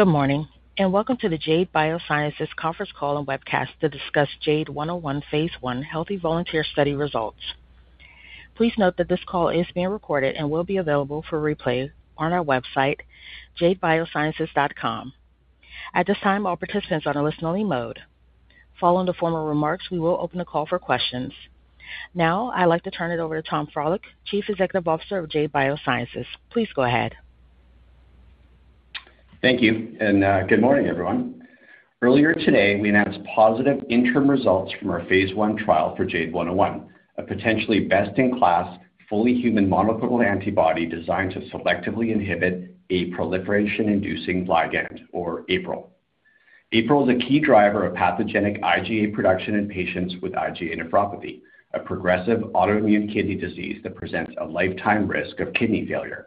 Good morning, welcome to the Jade Biosciences conference call and webcast to discuss JADE101 phase I healthy volunteer study results. Please note that this call is being recorded and will be available for replay on our website, jadebiosciences.com. At this time, all participants are on a listen-only mode. Following the formal remarks, we will open the call for questions. Now I'd like to turn it over to Tom Frohlich, Chief Executive Officer of Jade Biosciences. Please go ahead. Thank you, and good morning, everyone. Earlier today, we announced positive interim results from our phase I trial for JADE101, a potentially best-in-class, fully human monoclonal antibody designed to selectively inhibit a proliferation-inducing ligand or APRIL. APRIL is a key driver of pathogenic IgA production in patients with IgA nephropathy, a progressive autoimmune kidney disease that presents a lifetime risk of kidney failure.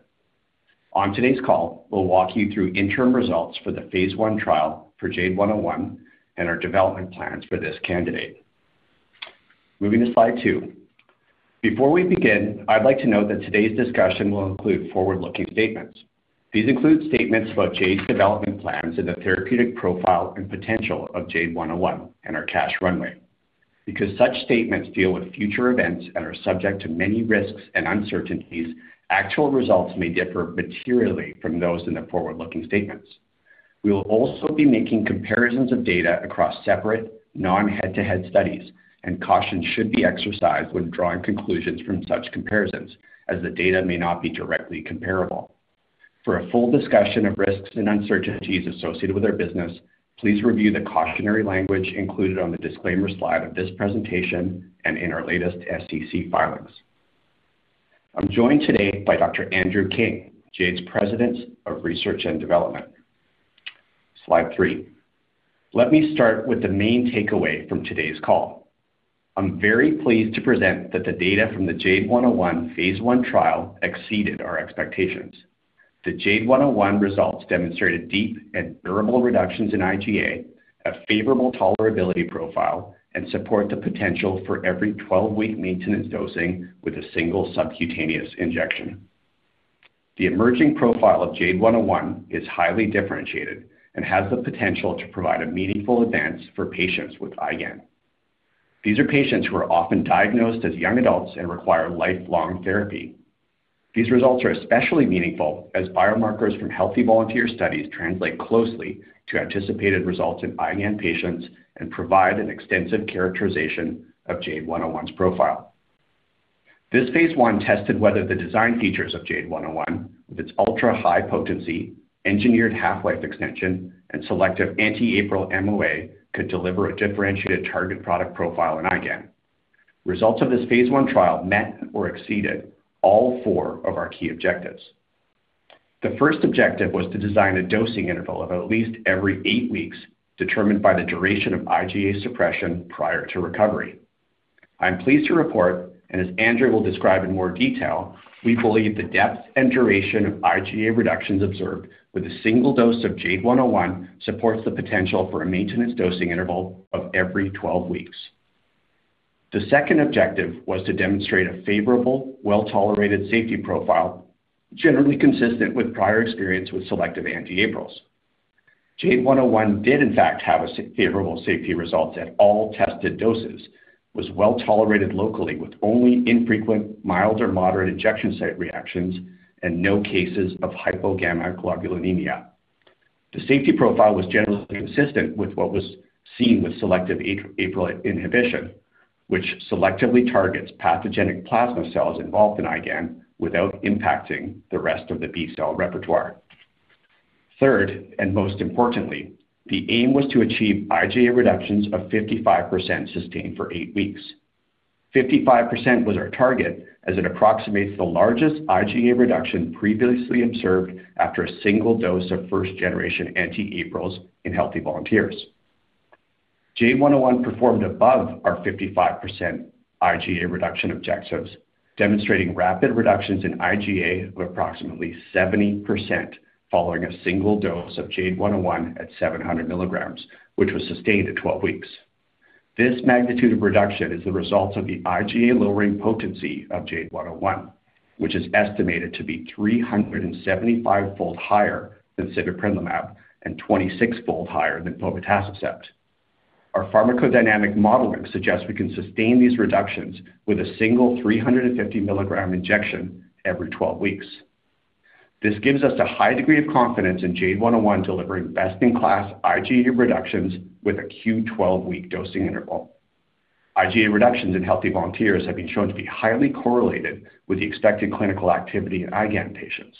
On today's call, we'll walk you through interim results for the phase I trial for JADE101 and our development plans for this candidate. Moving to slide two. Before we begin, I'd like to note that today's discussion will include forward-looking statements. These include statements about Jade's development plans and the therapeutic profile and potential of JADE101 and our cash runway. Because such statements deal with future events and are subject to many risks and uncertainties, actual results may differ materially from those in the forward-looking statements. We will also be making comparisons of data across separate non-head-to-head studies, and caution should be exercised when drawing conclusions from such comparisons, as the data may not be directly comparable. For a full discussion of risks and uncertainties associated with our business, please review the cautionary language included on the disclaimer slide of this presentation and in our latest SEC filings. I'm joined today by Dr. Andrew King, Jade's President of Research and Development. Slide three. Let me start with the main takeaway from today's call. I'm very pleased to present that the data from the JADE101 phase I trial exceeded our expectations. The JADE101 results demonstrated deep and durable reductions in IgA, a favorable tolerability profile, and support the potential for every 12-week maintenance dosing with a single subcutaneous injection. The emerging profile of JADE101 is highly differentiated and has the potential to provide a meaningful advance for patients with IgAN. These are patients who are often diagnosed as young adults and require lifelong therapy. These results are especially meaningful as biomarkers from healthy volunteer studies translate closely to anticipated results in IgAN patients and provide an extensive characterization of JADE101's profile. This phase I tested whether the design features of JADE101 with its ultra-high potency, engineered half-life extension, and selective anti-APRIL MOA could deliver a differentiated target product profile in IgAN. Results of this phase I trial met or exceeded all four of our key objectives. The first objective was to design a dosing interval of at least every eight weeks, determined by the duration of IgA suppression prior to recovery. I'm pleased to report, and as Andrew will describe in more detail, we believe the depth and duration of IgA reductions observed with a single dose of JADE101 supports the potential for a maintenance dosing interval of every 12 weeks. The second objective was to demonstrate a favorable, well-tolerated safety profile, generally consistent with prior experience with selective anti-APRILs. JADE101 did in fact have a favorable safety result at all tested doses, was well tolerated locally with only infrequent mild or moderate injection site reactions, and no cases of hypogammaglobulinemia. The safety profile was generally consistent with what was seen with selective APRIL inhibition, which selectively targets pathogenic plasma cells involved in IgAN without impacting the rest of the B-cell repertoire. Third, most importantly, the aim was to achieve IgA reductions of 55% sustained for eight weeks. 55% was our target as it approximates the largest IgA reduction previously observed after a single dose of first-generation anti-APRILs in healthy volunteers. JADE101 performed above our 55% IgA reduction objectives, demonstrating rapid reductions in IgA of approximately 70% following a single dose of JADE101 at 700 milligrams, which was sustained at 12 weeks. This magnitude of reduction is the result of the IgA-lowering potency of JADE101, which is estimated to be 375-fold higher than sibeprenlimab and 26-fold higher than povetacicept. Our pharmacodynamic modeling suggests we can sustain these reductions with a single 350-milligram injection every 12 weeks. This gives us a high degree of confidence in JADE101 delivering best-in-class IgA reductions with a Q12-week dosing interval. IgA reductions in healthy volunteers have been shown to be highly correlated with the expected clinical activity in IgAN patients.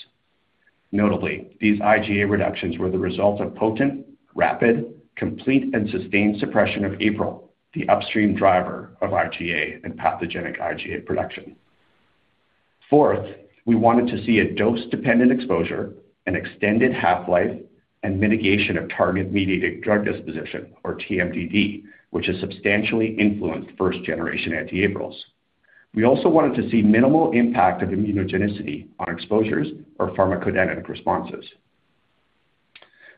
Notably, these IgA reductions were the result of potent, rapid, complete, and sustained suppression of APRIL, the upstream driver of IgA and pathogenic IgA production. Fourth, we wanted to see a dose-dependent exposure, an extended half-life, and mitigation of target-mediated drug disposition, or TMDD, which has substantially influenced first-generation anti-APRILs. We also wanted to see minimal impact of immunogenicity on exposures or pharmacodynamic responses.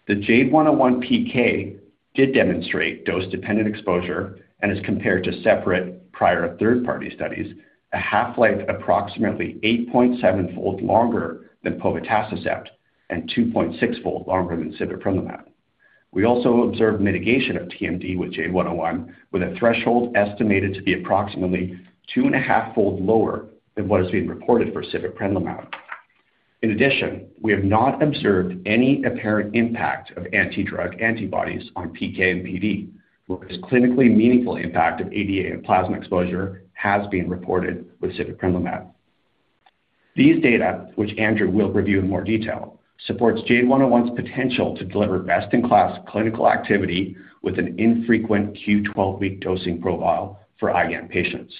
The JADE101 PK demonstrate dose-dependent exposure and as compared to separate prior third-party studies, a half-life approximately 8.7-fold longer than povetacicept and 2.6-fold longer than sibeprenlimab. We also observed mitigation of TMD with JADE101, with a threshold estimated to be approximately two and a half-fold lower than what has been reported for sibeprenlimab. In addition, we have not observed any apparent impact of anti-drug antibodies on PK and PD, whereas clinically meaningful impact of ADA and plasma exposure has been reported with sibeprenlimab. These data, which Andrew will review in more detail, supports JADE101's potential to deliver best-in-class clinical activity with an infrequent Q12-week dosing profile for IgAN patients.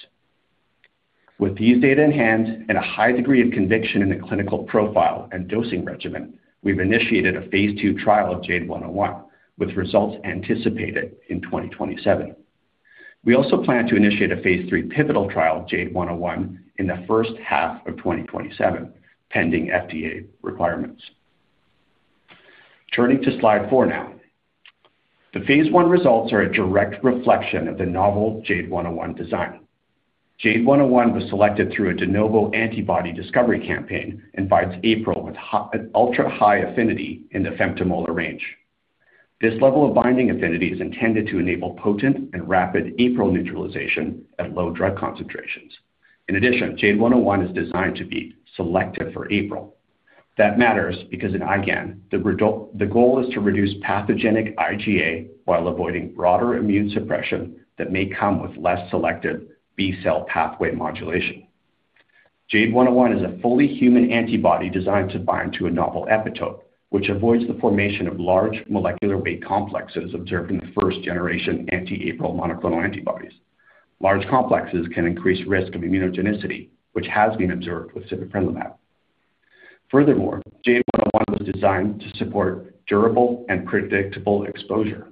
With these data in hand and a high degree of conviction in the clinical profile and dosing regimen, we've initiated a phase II trial of JADE101, with results anticipated in 2027. We also plan to initiate a phase III pivotal trial of JADE101 in the first half of 2027, pending FDA requirements. Turning to slide four now. The phase I results are a direct reflection of the novel JADE101 design. JADE101 was selected through a de novo antibody discovery campaign and binds APRIL with ultra-high affinity in the femtomolar range. This level of binding affinity is intended to enable potent and rapid APRIL neutralization at low drug concentrations. In addition, JADE101 is designed to be selective for APRIL. That matters because in IgAN, the goal is to reduce pathogenic IgA while avoiding broader immune suppression that may come with less selective B-cell pathway modulation. JADE101 is a fully human antibody designed to bind to a novel epitope, which avoids the formation of large molecular weight complexes observed in the first-generation anti-APRIL monoclonal antibodies. Large complexes can increase risk of immunogenicity, which has been observed with sibeprenlimab. Furthermore, JADE101 was designed to support durable and predictable exposure.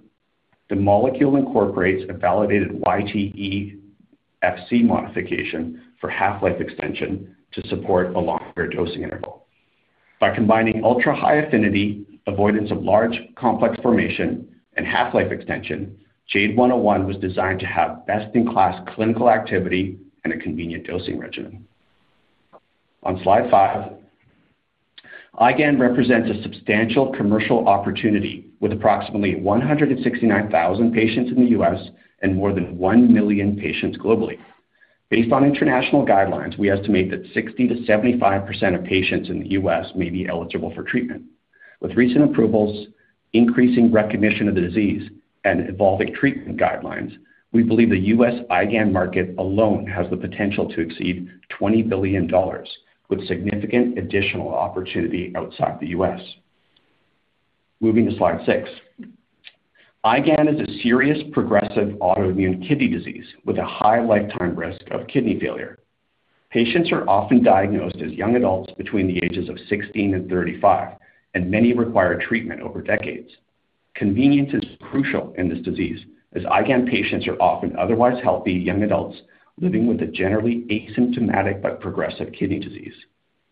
The molecule incorporates a validated YTE Fc modification for half-life extension to support a longer dosing interval. By combining ultra-high affinity, avoidance of large complex formation, and half-life extension, JADE101 was designed to have best-in-class clinical activity and a convenient dosing regimen. On slide five, IgAN represents a substantial commercial opportunity with approximately 169,000 patients in the U.S. and more than 1 million patients globally. Based on international guidelines, we estimate that 60%-75% of patients in the U.S. may be eligible for treatment. With recent approvals, increasing recognition of the disease, and evolving treatment guidelines, we believe the U.S. IgAN market alone has the potential to exceed $20 billion, with significant additional opportunity outside the U.S. Moving to slide six. IgAN is a serious progressive autoimmune kidney disease with a high lifetime risk of kidney failure. Patients are often diagnosed as young adults between the ages of 16 and 35, and many require treatment over decades. Convenience is crucial in this disease, as IgAN patients are often otherwise healthy young adults living with a generally asymptomatic but progressive kidney disease.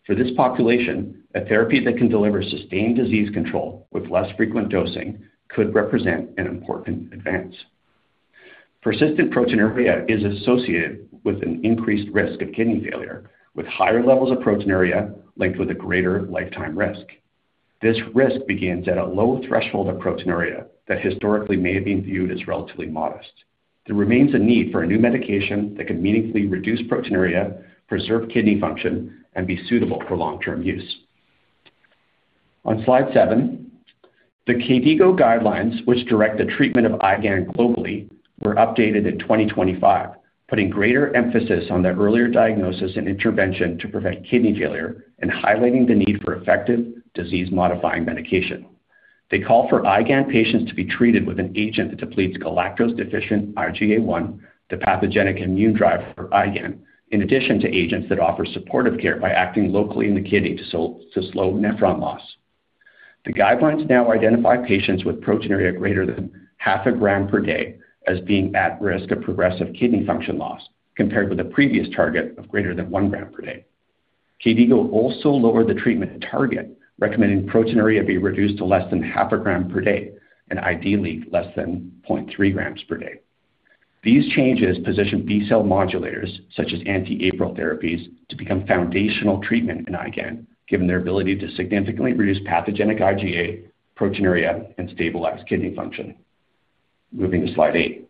For this population, a therapy that can deliver sustained disease control with less frequent dosing could represent an important advance. Persistent proteinuria is associated with an increased risk of kidney failure, with higher levels of proteinuria linked with a greater lifetime risk. This risk begins at a low threshold of proteinuria that historically may have been viewed as relatively modest. There remains a need for a new medication that can meaningfully reduce proteinuria, preserve kidney function, and be suitable for long-term use. On slide seven, the KDIGO guidelines, which direct the treatment of IgAN globally, were updated in 2025, putting greater emphasis on the earlier diagnosis and intervention to prevent kidney failure and highlighting the need for effective disease-modifying medication. They call for IgAN patients to be treated with an agent that depletes galactose-deficient IgA1, the pathogenic immune driver for IgAN, in addition to agents that offer supportive care by acting locally in the kidney to slow nephron loss. The guidelines now identify patients with proteinuria greater than half a gram per day as being at risk of progressive kidney function loss, compared with a previous target of greater than one gram per day. KDIGO also lowered the treatment target, recommending proteinuria be reduced to less than half a gram per day and ideally less than 0.3 grams per day. These changes position B-cell modulators, such as anti-APRIL therapies, to become foundational treatment in IgAN, given their ability to significantly reduce pathogenic IgA, proteinuria, and stabilize kidney function. Moving to slide eight.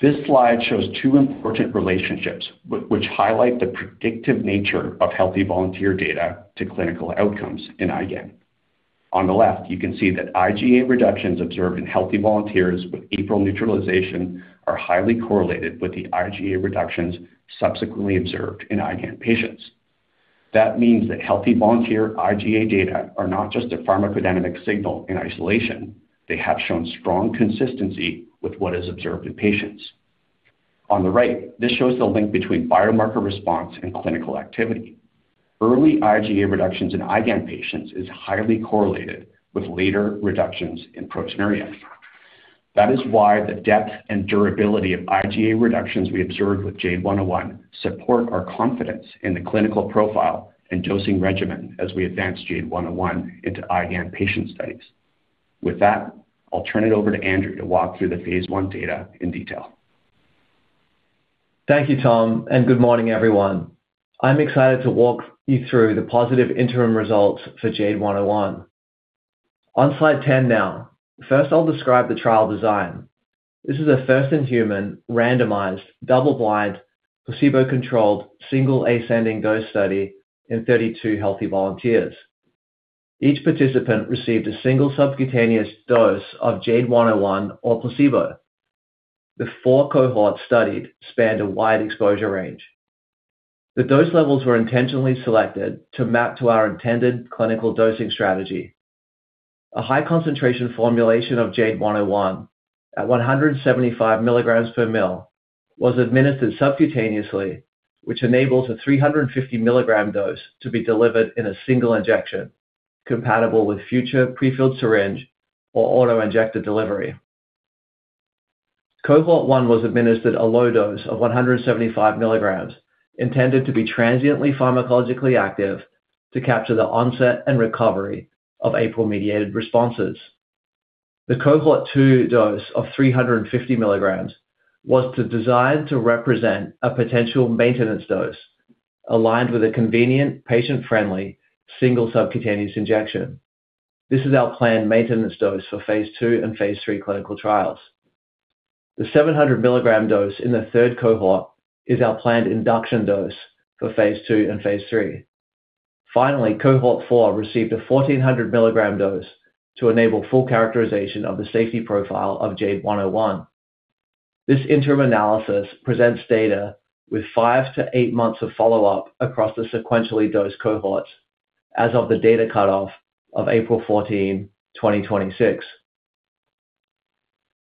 This slide shows two important relationships which highlight the predictive nature of healthy volunteer data to clinical outcomes in IgAN. On the left, you can see that IgA reductions observed in healthy volunteers with APRIL neutralization are highly correlated with the IgA reductions subsequently observed in IgAN patients. That means that healthy volunteer IgA data are not just a pharmacodynamic signal in isolation. They have shown strong consistency with what is observed in patients. On the right, this shows the link between biomarker response and clinical activity. Early IgA reductions in IgAN patients is highly correlated with later reductions in proteinuria. That is why the depth and durability of IgA reductions we observed with JADE101 support our confidence in the clinical profile and dosing regimen as we advance JADE101 into IgA patient studies. With that, I'll turn it over to Andrew to walk through the phase I data in detail. Thank you, Tom, and good morning, everyone. I'm excited to walk you through the positive interim results for JADE101. On slide 10 now. First, I'll describe the trial design. This is a first-in-human, randomized, double-blind, placebo-controlled, single ascending dose study in 32 healthy volunteers. Each participant received a single subcutaneous dose of JADE101 or placebo. The four cohorts studied spanned a wide exposure range. The dose levels were intentionally selected to map to our intended clinical dosing strategy. A high concentration formulation of JADE101 at 175 mg per mL was administered subcutaneously, which enables a 350 mg dose to be delivered in a single injection, compatible with future prefilled syringe or auto-injector delivery. Cohort 1 was administered a low dose of 175 mg, intended to be transiently pharmacologically active to capture the onset and recovery of APRIL-mediated responses. The cohort 2 dose of 350 milligrams was designed to represent a potential maintenance dose, aligned with a convenient, patient-friendly, single subcutaneous injection. This is our planned maintenance dose for phase II and phase III clinical trials. The 700-milligram dose in the third cohort is our planned induction dose for phase II and phase III. Finally, cohort 4 received a 1,400-milligram dose to enable full characterization of the safety profile of JADE101. This interim analysis presents data with five to eight months of follow-up across the sequentially dosed cohorts as of the data cutoff of April 14, 2026.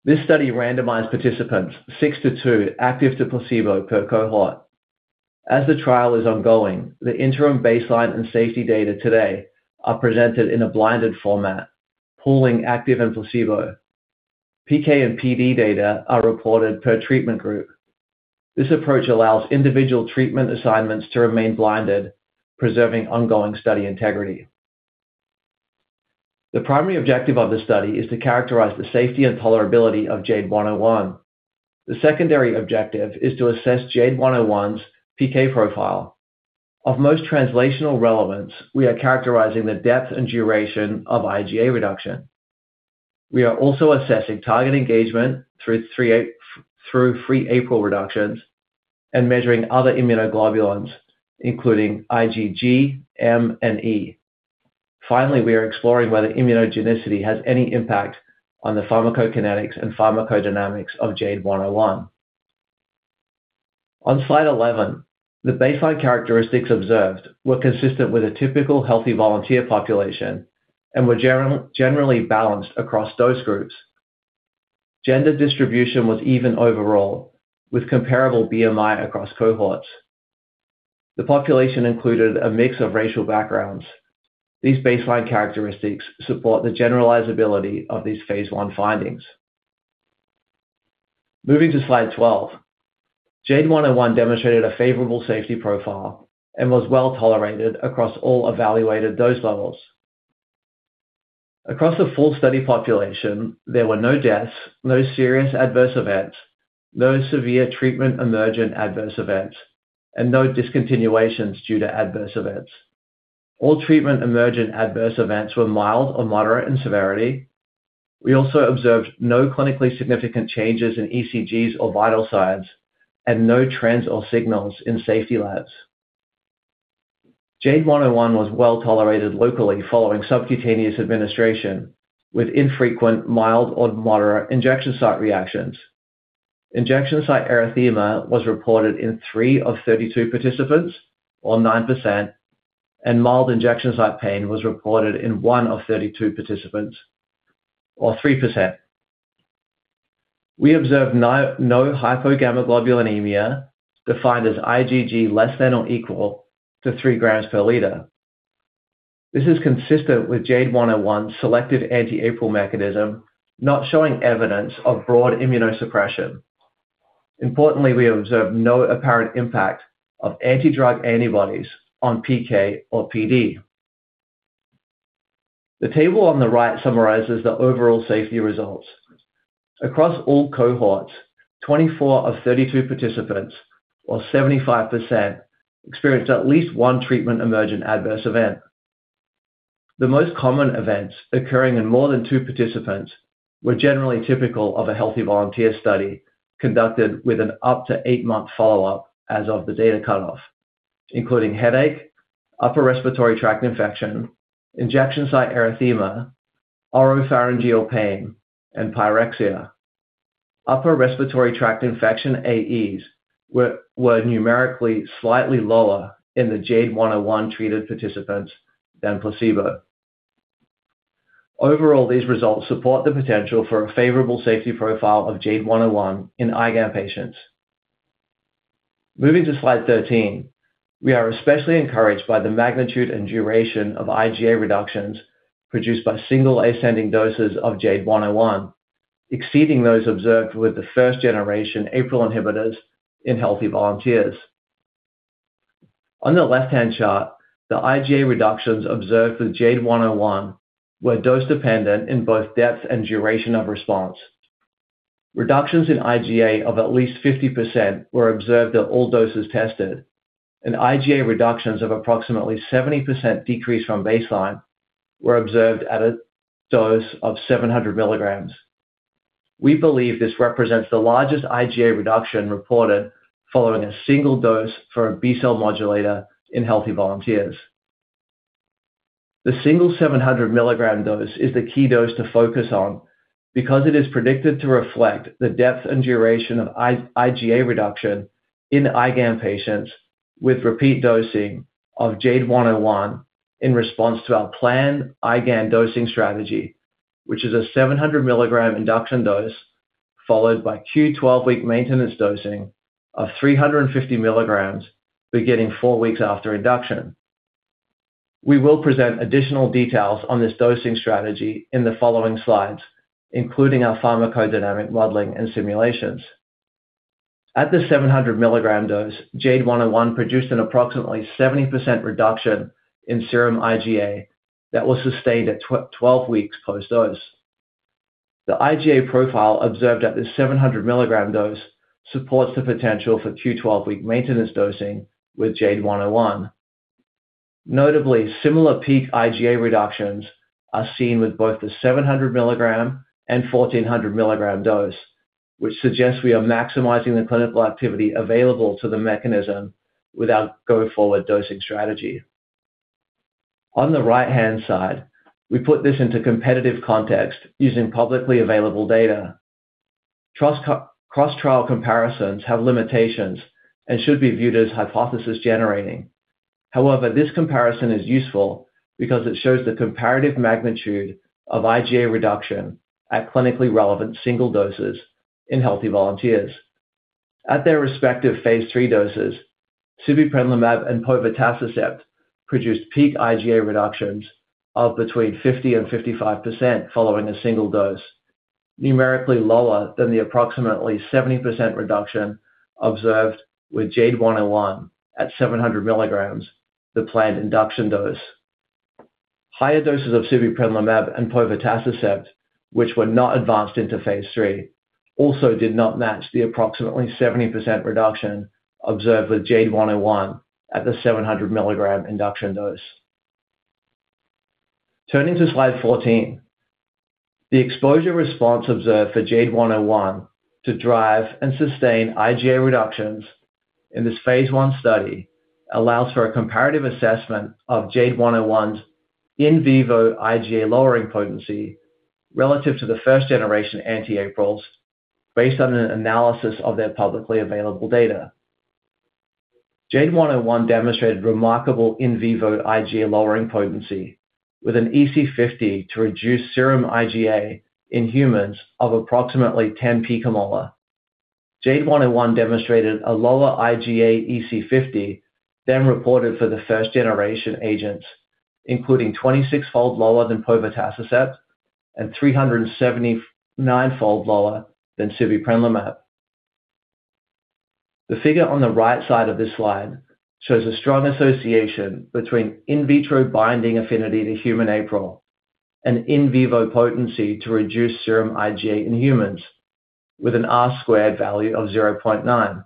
This study randomized participants 6 to 2 active to placebo per cohort. As the trial is ongoing, the interim baseline and safety data today are presented in a blinded format, pooling active and placebo. PK and PD data are reported per treatment group. This approach allows individual treatment assignments to remain blinded, preserving ongoing study integrity. The primary objective of the study is to characterize the safety and tolerability of JADE101. The secondary objective is to assess JADE101's PK profile. Of most translational relevance, we are characterizing the depth and duration of IgA reduction. We are also assessing target engagement through free APRIL reductions and measuring other immunoglobulins, including IgG, M, and E. Finally, we are exploring whether immunogenicity has any impact on the pharmacokinetics and pharmacodynamics of JADE101. On slide 11, the baseline characteristics observed were consistent with a typical healthy volunteer population and were generally balanced across dose groups. Gender distribution was even overall, with comparable BMI across cohorts. The population included a mix of racial backgrounds. These baseline characteristics support the generalizability of these phase I findings. Moving to slide 12. JADE101 demonstrated a favorable safety profile and was well-tolerated across all evaluated dose levels. Across the full study population, there were no deaths, no serious adverse events, no severe treatment emergent adverse events, and no discontinuations due to adverse events. All treatment emergent adverse events were mild or moderate in severity. We also observed no clinically significant changes in ECGs or vital signs and no trends or signals in safety labs. JADE101 was well-tolerated locally following subcutaneous administration, with infrequent mild or moderate injection site reactions. Injection site erythema was reported in three of 32 participants, or 9%, and mild injection site pain was reported in one of 32 participants, or 3%. We observed no hypogammaglobulinemia, defined as IgG less than or equal to three grams per liter. This is consistent with JADE101's selective anti-APRIL mechanism, not showing evidence of broad immunosuppression. Importantly, we observed no apparent impact of anti-drug antibodies on PK or PD. The table on the right summarizes the overall safety results. Across all cohorts, 24 of 32 participants, or 75%, experienced at least one treatment emergent adverse event. The most common events occurring in more than two participants were generally typical of a healthy volunteer study conducted with an up to eight-month follow-up as of the data cutoff, including headache, upper respiratory tract infection, injection site erythema, oropharyngeal pain, and pyrexia. Upper respiratory tract infection AEs were numerically slightly lower in the JADE101-treated participants than placebo. Overall, these results support the potential for a favorable safety profile of JADE101 in IgA patients. Moving to slide 13. We are especially encouraged by the magnitude and duration of IgA reductions produced by single ascending doses of JADE101, exceeding those observed with the first-generation APRIL inhibitors in healthy volunteers. On the left-hand chart, the IgA reductions observed with JADE101 were dose-dependent in both depth and duration of response. Reductions in IgA of at least 50% were observed at all doses tested, and IgA reductions of approximately 70% decrease from baseline were observed at a dose of 700 milligrams. We believe this represents the largest IgA reduction reported following a single dose for a B-cell modulator in healthy volunteers. The single 700-milligram dose is the key dose to focus on because it is predicted to reflect the depth and duration of IgA reduction in IgAN patients with repeat dosing of JADE101 in response to our planned IgAN dosing strategy, which is a 700 milligram induction dose followed by Q12-week maintenance dosing of 350 milligrams beginning four weeks after induction. We will present additional details on this dosing strategy in the following slides, including our pharmacodynamic modeling and simulations. At the 700-milligram dose, JADE101 produced an approximately 70% reduction in serum IgA that was sustained at 12 weeks post-dose. The IgA profile observed at the 700-milligram dose supports the potential for Q12-week maintenance dosing with JADE101. Notably, similar peak IgA reductions are seen with both the 700 milligram and 1,400 milligram dose, which suggests we are maximizing the clinical activity available to the mechanism with our go-forward dosing strategy. On the right-hand side, we put this into competitive context using publicly available data. Cross-trial comparisons have limitations and should be viewed as hypothesis-generating. However, this comparison is useful because it shows the comparative magnitude of IgA reduction at clinically relevant single doses in healthy volunteers. At their respective phase III doses, suvorexant and povetacicept produced peak IgA reductions of between 50% and 55% following a single dose, numerically lower than the approximately 70% reduction observed with JADE101 at 700 milligrams, the planned induction dose. Higher doses of suvorexant and povetacicept, which were not advanced into phase III, also did not match the approximately 70% reduction observed with JADE101 at the 700-milligram induction dose. Turning to slide 14. The exposure response observed for JADE101 to drive and sustain IgA reductions in this phase I study allows for a comparative assessment of JADE101's in vivo IgA lowering potency relative to the first-generation anti-APRILs based on an analysis of their publicly available data. JADE101 demonstrated remarkable in vivo IgA lowering potency with an EC50 to reduce serum IgA in humans of approximately 10 picomolar. JADE101 demonstrated a lower IgA EC50 than reported for the first-generation agents, including 26-fold lower than povetacicept and 379-fold lower than suvorexant. The figure on the right side of this slide shows a strong association between in vitro binding affinity to human APRIL and in vivo potency to reduce serum IgA in humans with an R squared value of 0.9.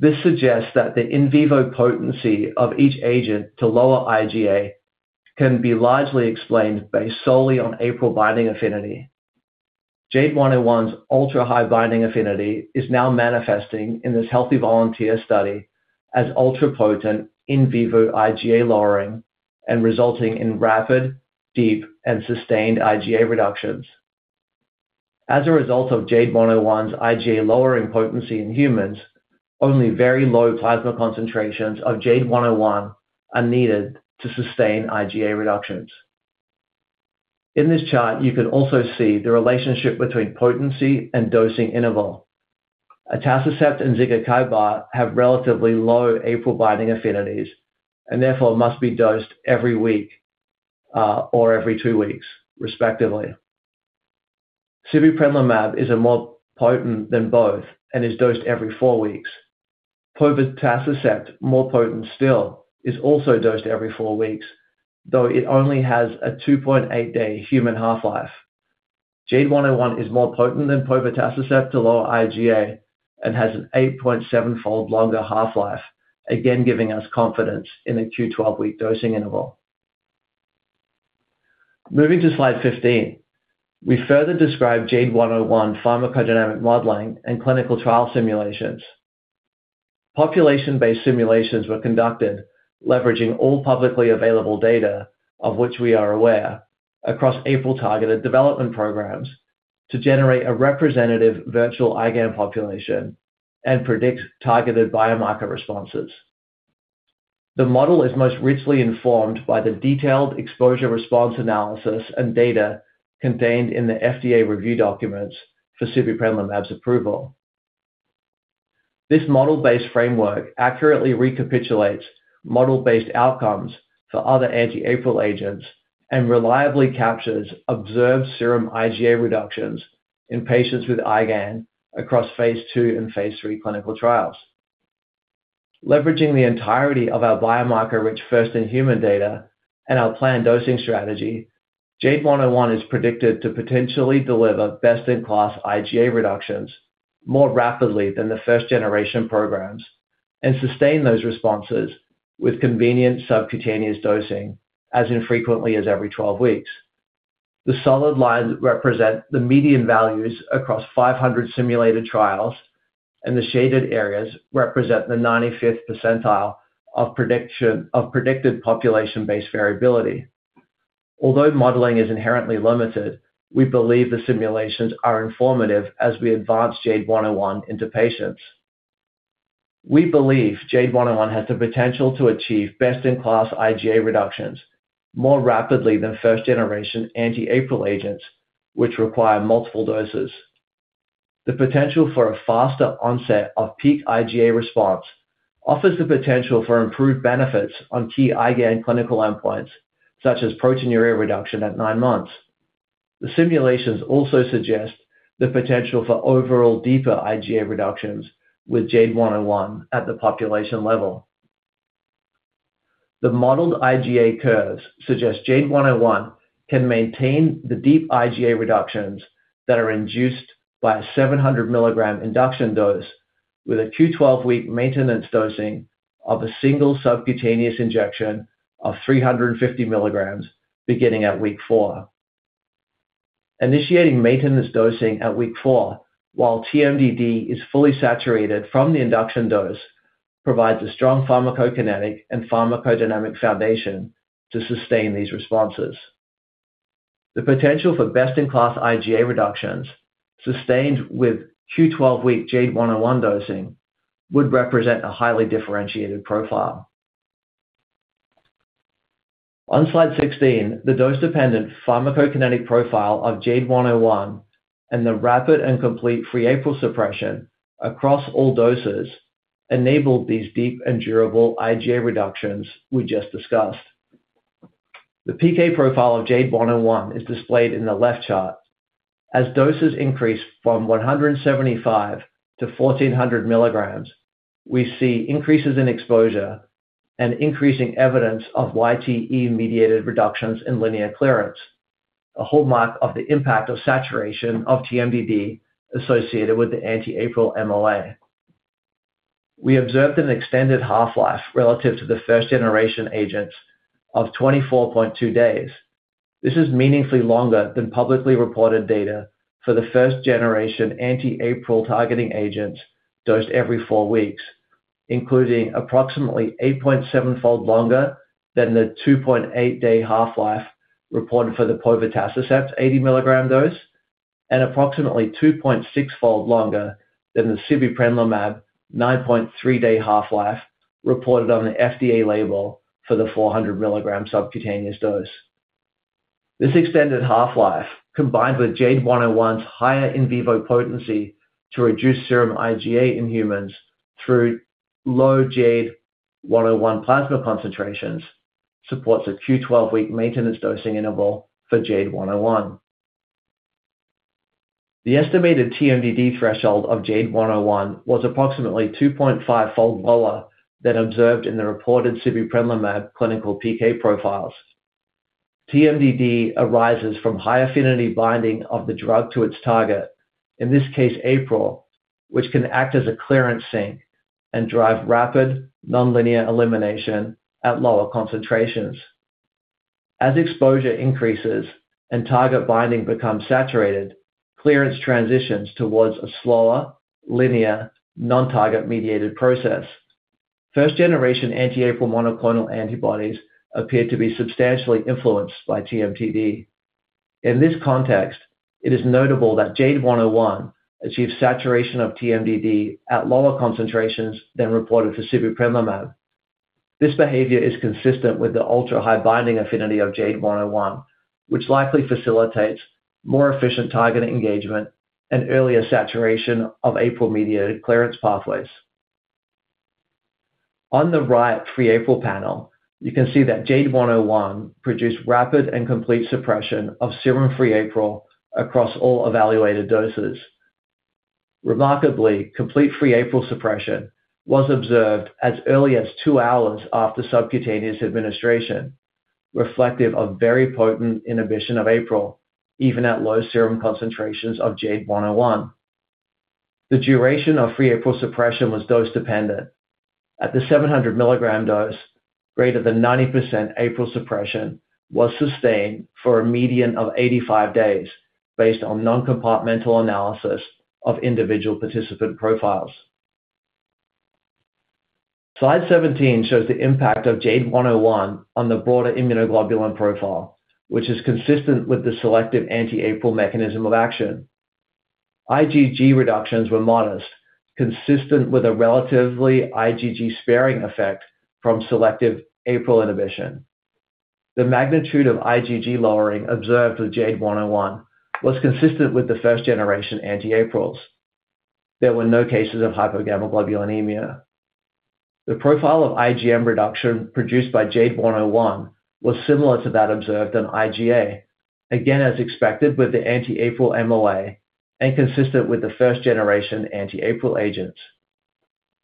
This suggests that the in vivo potency of each agent to lower IgA can be largely explained based solely on APRIL binding affinity. JADE101's ultra-high binding affinity is now manifesting in this healthy volunteer study as ultra-potent in vivo IgA lowering and resulting in rapid, deep, and sustained IgA reductions. As a result of JADE101's IgA lowering potency in humans, only very low plasma concentrations of JADE101 are needed to sustain IgA reductions. In this chart, you can also see the relationship between potency and dosing interval. Atacicept and zigakibart have relatively low APRIL binding affinities, and therefore must be dosed every week or every two weeks, respectively. Suvorexant is a more potent than both and is dosed every four weeks. Povetacicept, more potent still, is also dosed every four weeks, though it only has a 2.8-day human half-life. JADE101 is more potent than povetacicept to lower IgA and has an 8.7-fold longer half-life, again, giving us confidence in a Q12-week dosing interval. Moving to slide 15. We further describe JADE101 pharmacodynamic modeling and clinical trial simulations. Population-based simulations were conducted leveraging all publicly available data of which we are aware across APRIL-targeted development programs to generate a representative virtual IgAN population and predict targeted biomarker responses. The model is most richly informed by the detailed exposure response analysis and data contained in the FDA review documents for sibeprenlimab's approval. This model-based framework accurately recapitulates model-based outcomes for other anti-APRIL agents and reliably captures observed serum IgA reductions in patients with IgAN across phase II and phase III clinical trials. Leveraging the entirety of our biomarker-rich first-in-human data and our planned dosing strategy, JADE101 is predicted to potentially deliver best-in-class IgA reductions more rapidly than the first generation programs and sustain those responses with convenient subcutaneous dosing as infrequently as every 12 weeks. The solid lines represent the median values across 500 simulated trials. The shaded areas represent the 95th percentile of predicted population-based variability. Although modeling is inherently limited, we believe the simulations are informative as we advance JADE101 into patients. We believe JADE101 has the potential to achieve best-in-class IgA reductions more rapidly than first generation anti-APRIL agents, which require multiple doses. The potential for a faster onset of peak IgA response offers the potential for improved benefits on key IgAN clinical endpoints, such as proteinuria reduction at nine months. The simulations also suggest the potential for overall deeper IgA reductions with JADE101 at the population level. The modeled IgA curves suggest JADE101 can maintain the deep IgA reductions that are induced by a 700 milligram induction dose with a Q12-week maintenance dosing of a single subcutaneous injection of 350 milligrams beginning at week four. Initiating maintenance dosing at week four, while TMDD is fully saturated from the induction dose, provides a strong pharmacokinetic and pharmacodynamic foundation to sustain these responses. The potential for best-in-class IgA reductions sustained with Q12-week JADE101 dosing would represent a highly differentiated profile. On slide 16, the dose-dependent pharmacokinetic profile of JADE101 and the rapid and complete free APRIL suppression across all doses enabled these deep and durable IgA reductions we just discussed. The PK profile of JADE101 is displayed in the left chart. As doses increase from 175 to 1,400 milligrams, we see increases in exposure and increasing evidence of YTE-mediated reductions in linear clearance, a hallmark of the impact of saturation of TMDD associated with the anti-APRIL MOA. We observed an extended half-life relative to the first generation agents of 24.2 days. This is meaningfully longer than publicly reported data for the first generation anti-APRIL targeting agents dosed every four weeks, including approximately 8.7-fold longer than the 2.8-day half-life reported for the povetacicept 80 milligram dose, and approximately 2.6-fold longer than the sibeprenlimab 9.3-day half-life reported on the FDA label for the 400 milligram subcutaneous dose. This extended half-life, combined with JADE101's higher in vivo potency to reduce serum IgA in humans through low JADE101 plasma concentrations, supports a Q12-week maintenance dosing interval for JADE101. The estimated TMDD threshold of JADE101 was approximately 2.5-fold lower than observed in the reported sibeprenlimab clinical PK profiles. TMDD arises from high-affinity binding of the drug to its target, in this case, APRIL, which can act as a clearance sink and drive rapid, non-linear elimination at lower concentrations. As exposure increases and target binding becomes saturated, clearance transitions towards a slower, linear, non-target mediated process. First generation anti-APRIL monoclonal antibodies appear to be substantially influenced by TMDD. In this context, it is notable that JADE101 achieves saturation of TMDD at lower concentrations than reported for sibeprenlimab. This behavior is consistent with the ultra-high binding affinity of JADE101, which likely facilitates more efficient target engagement and earlier saturation of APRIL-mediated clearance pathways. On the right free APRIL panel, you can see that JADE101 produced rapid and complete suppression of serum free APRIL across all evaluated doses. Remarkably, complete free APRIL suppression was observed as early as two hours after subcutaneous administration, reflective of very potent inhibition of APRIL, even at low serum concentrations of JADE101. The duration of free APRIL suppression was dose-dependent. At the 700 milligram dose, greater than 90% APRIL suppression was sustained for a median of 85 days based on non-compartmental analysis of individual participant profiles. Slide 17 shows the impact of JADE101 on the broader immunoglobulin profile, which is consistent with the selective anti-APRIL mechanism of action. IgG reductions were modest, consistent with a relatively IgG-sparing effect from selective APRIL inhibition. The magnitude of IgG lowering observed with JADE101 was consistent with the first-generation anti-APRILs. There were no cases of hypogammaglobulinemia. The profile of IgM reduction produced by JADE101 was similar to that observed on IgA, again, as expected with the anti-APRIL MOA and consistent with the first-generation anti-APRIL agents.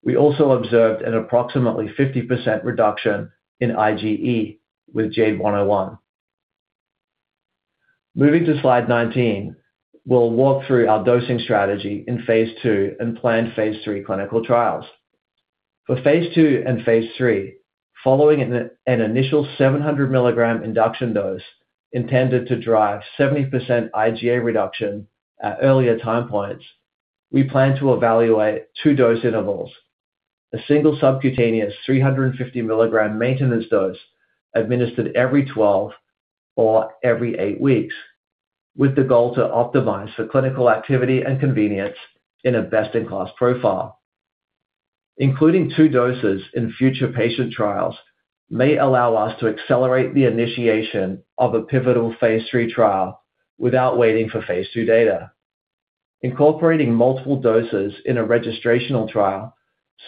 We also observed an approximately 50% reduction in IgE with JADE101. Moving to slide 19, we'll walk through our dosing strategy in phase II and planned phase III clinical trials. For phase II and phase III, following an initial 700 mg induction dose intended to drive 70% IgA reduction at earlier time points, we plan to evaluate two dose intervals. A single subcutaneous 350 mg maintenance dose administered every 12 or every 8 weeks, with the goal to optimize for clinical activity and convenience in a best-in-class profile. Including two doses in future patient trials may allow us to accelerate the initiation of a pivotal phase III trial without waiting for phase II data. Incorporating multiple doses in a registrational trial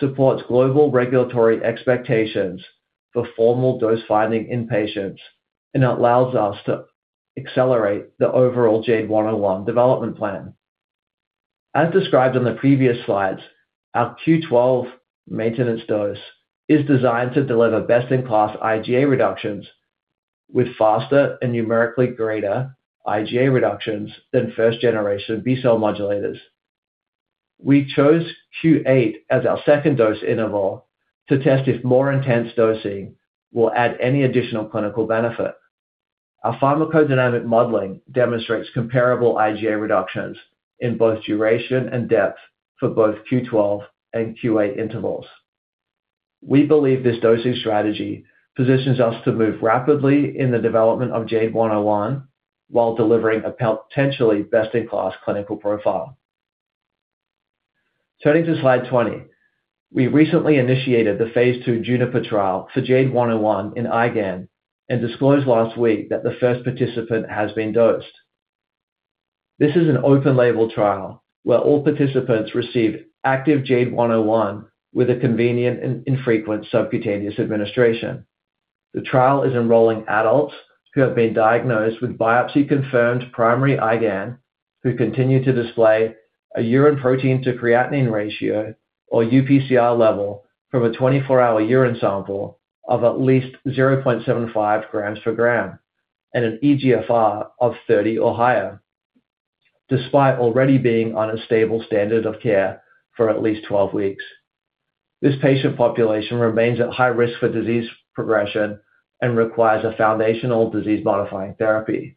supports global regulatory expectations for formal dose-finding in patients and allows us to accelerate the overall JADE101 development plan. As described on the previous slides, our Q12 maintenance dose is designed to deliver best-in-class IgA reductions with faster and numerically greater IgA reductions than first-generation B-cell modulators. We chose Q8 as our second dose interval to test if more intense dosing will add any additional clinical benefit. Our pharmacodynamic modeling demonstrates comparable IgA reductions in both duration and depth for both Q12 and Q8 intervals. We believe this dosing strategy positions us to move rapidly in the development of JADE101 while delivering a potentially best-in-class clinical profile. Turning to slide 20. We recently initiated the phase II JUNIPER trial for JADE101 in IgAN and disclosed last week that the first participant has been dosed. This is an open-label trial where all participants receive active JADE101 with a convenient and infrequent subcutaneous administration. The trial is enrolling adults who have been diagnosed with biopsy-confirmed primary IgAN, who continue to display a urine protein to creatinine ratio or UPCR level from a 24-hour urine sample of at least 0.75 grams per gram and an eGFR of 30 or higher, despite already being on a stable standard of care for at least 12 weeks. This patient population remains at high risk for disease progression and requires a foundational disease-modifying therapy.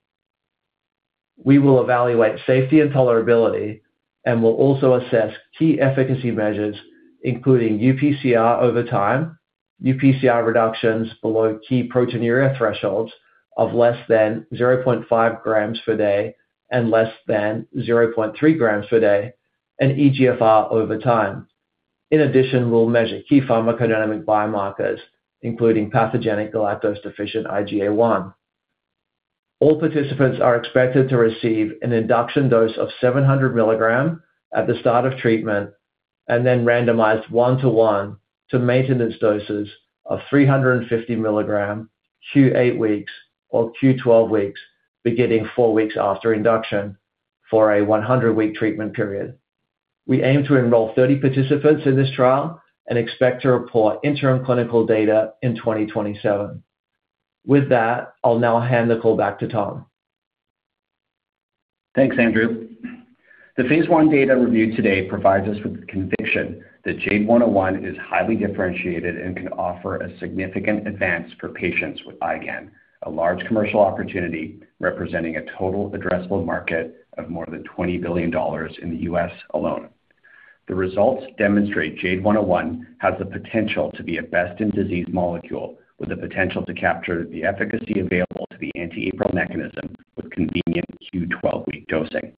We will evaluate safety and tolerability and will also assess key efficacy measures, including UPCR over time, UPCR reductions below key proteinuria thresholds of less than 0.5 grams per day and less than 0.3 grams per day, and eGFR over time. In addition, we'll measure key pharmacodynamic biomarkers, including pathogenic galactose-deficient IgA1. All participants are expected to receive an induction dose of 700 milligrams at the start of treatment, and then randomized one-to-one to maintenance doses of 350 milligrams Q8 weeks or Q12 weeks, beginning four weeks after induction for a 100-week treatment period. We aim to enroll 30 participants in this trial and expect to report interim clinical data in 2027. With that, I'll now hand the call back to Tom. Thanks, Andrew. The phase I data reviewed today provides us with conviction that JADE101 is highly differentiated and can offer a significant advance for patients with IgAN, a large commercial opportunity representing a total addressable market of more than $20 billion in the U.S. alone. The results demonstrate JADE101 has the potential to be a best-in-disease molecule with the potential to capture the efficacy available to the anti-APRIL mechanism with convenient Q12-week dosing.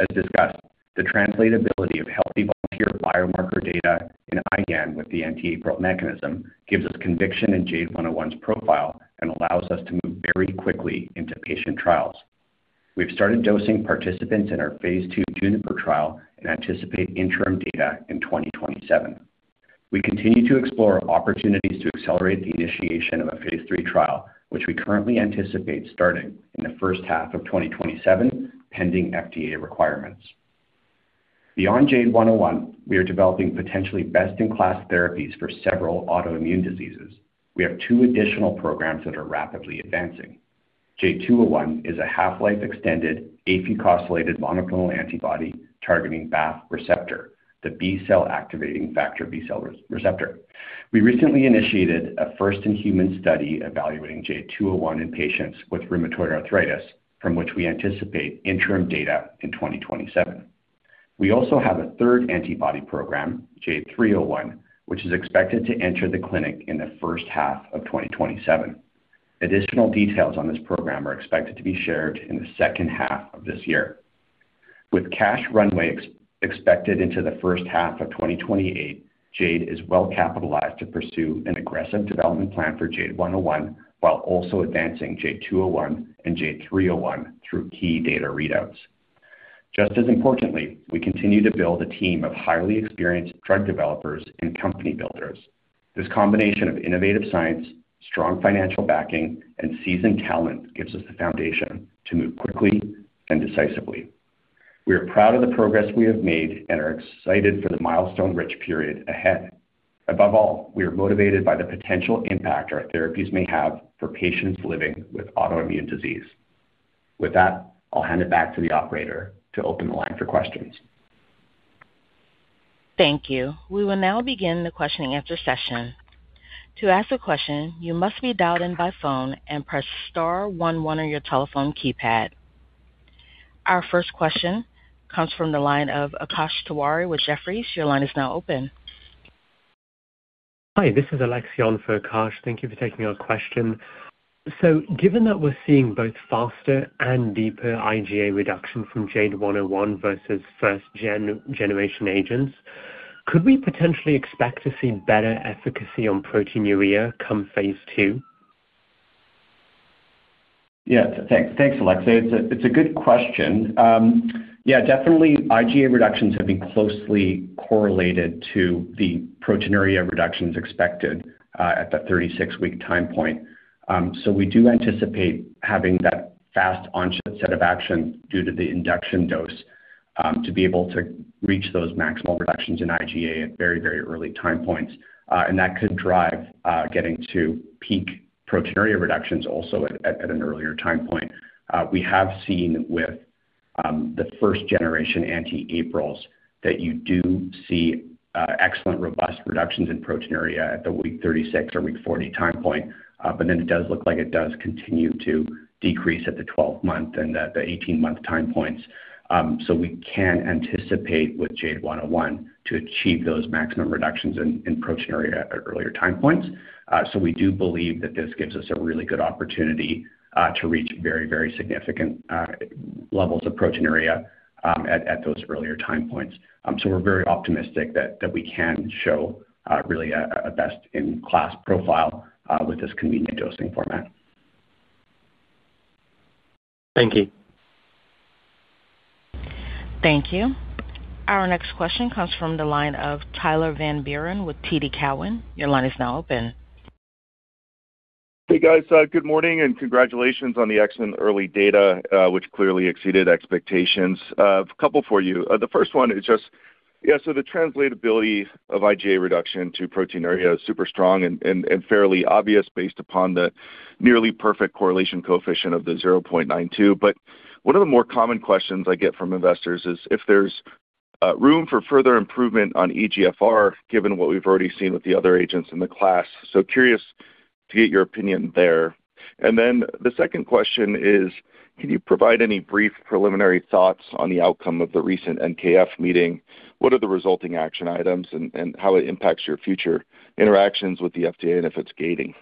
As discussed, the translatability of healthy volunteer biomarker data in IgAN with the anti-APRIL mechanism gives us conviction in JADE101's profile and allows us to move very quickly into patient trials. We've started dosing participants in our phase II JUNIPER trial and anticipate interim data in 2027. We continue to explore opportunities to accelerate the initiation of a phase III trial, which we currently anticipate starting in the first half of 2027, pending FDA requirements. Beyond JADE101, we are developing potentially best-in-class therapies for several autoimmune diseases. We have two additional programs that are rapidly advancing. JADE201 is a half-life extended afucosylated monoclonal antibody targeting BAFF receptor, the B-cell Activating Factor B cell receptor. We recently initiated a first-in-human study evaluating JADE201 in patients with rheumatoid arthritis, from which we anticipate interim data in 2027. We also have a third antibody program, JADE301, which is expected to enter the clinic in the first half of 2027. Additional details on this program are expected to be shared in the second half of this year. With cash runway expected into the first half of 2028, Jade is well-capitalized to pursue an aggressive development plan for JADE101 while also advancing JADE201 and JADE301 through key data readouts. Just as importantly, we continue to build a team of highly experienced drug developers and company builders. This combination of innovative science, strong financial backing, and seasoned talent gives us the foundation to move quickly and decisively. We are proud of the progress we have made and are excited for the milestone-rich period ahead. Above all, we are motivated by the potential impact our therapies may have for patients living with autoimmune disease. With that, I'll hand it back to the operator to open the line for questions. Thank you. We will now begin the question and answer session. To ask a question, you must be dialed in by phone and press star one one on your telephone keypad. Our first question comes from the line of Akash Tewari with Jefferies. Your line is now open. Hi, this is Alexio for Akash. Thank you for taking our question. Given that we're seeing both faster and deeper IgA reduction from JADE101 versus first-generation agents, could we potentially expect to see better efficacy on proteinuria come phase II? Yeah. Thanks, Alexio. It's a good question. Yeah, definitely IgA reductions have been closely correlated to the proteinuria reductions expected at the 36-week time point. We do anticipate having that fast onset of action due to the induction dose to be able to reach those maximal reductions in IgA at very early time points. That could drive getting to peak proteinuria reductions also at an earlier time point. We have seen with the first generation anti-APRILs that you do see excellent, robust reductions in proteinuria at the week 36 or week 40 time point. It does look like it does continue to decrease at the 12-month and at the 18-month time points. We can anticipate with JADE101 to achieve those maximum reductions in proteinuria at earlier time points. We do believe that this gives us a really good opportunity to reach very significant levels of proteinuria at those earlier time points. We're very optimistic that we can show really a best-in-class profile with this convenient dosing format. Thank you. Thank you. Our next question comes from the line of Tyler Van Buren with TD Cowen. Your line is now open. Hey, guys. Good morning and congratulations on the excellent early data which clearly exceeded expectations. A couple for you. The first one is the translatability of IgA reduction to proteinuria is super strong and fairly obvious based upon the nearly perfect correlation coefficient of the 0.92. One of the more common questions I get from investors is if there's room for further improvement on eGFR, given what we've already seen with the other agents in the class. Curious to get your opinion there. The second question is, can you provide any brief preliminary thoughts on the outcome of the recent NKF meeting? What are the resulting action items and how it impacts your future interactions with the FDA, and if it's gating?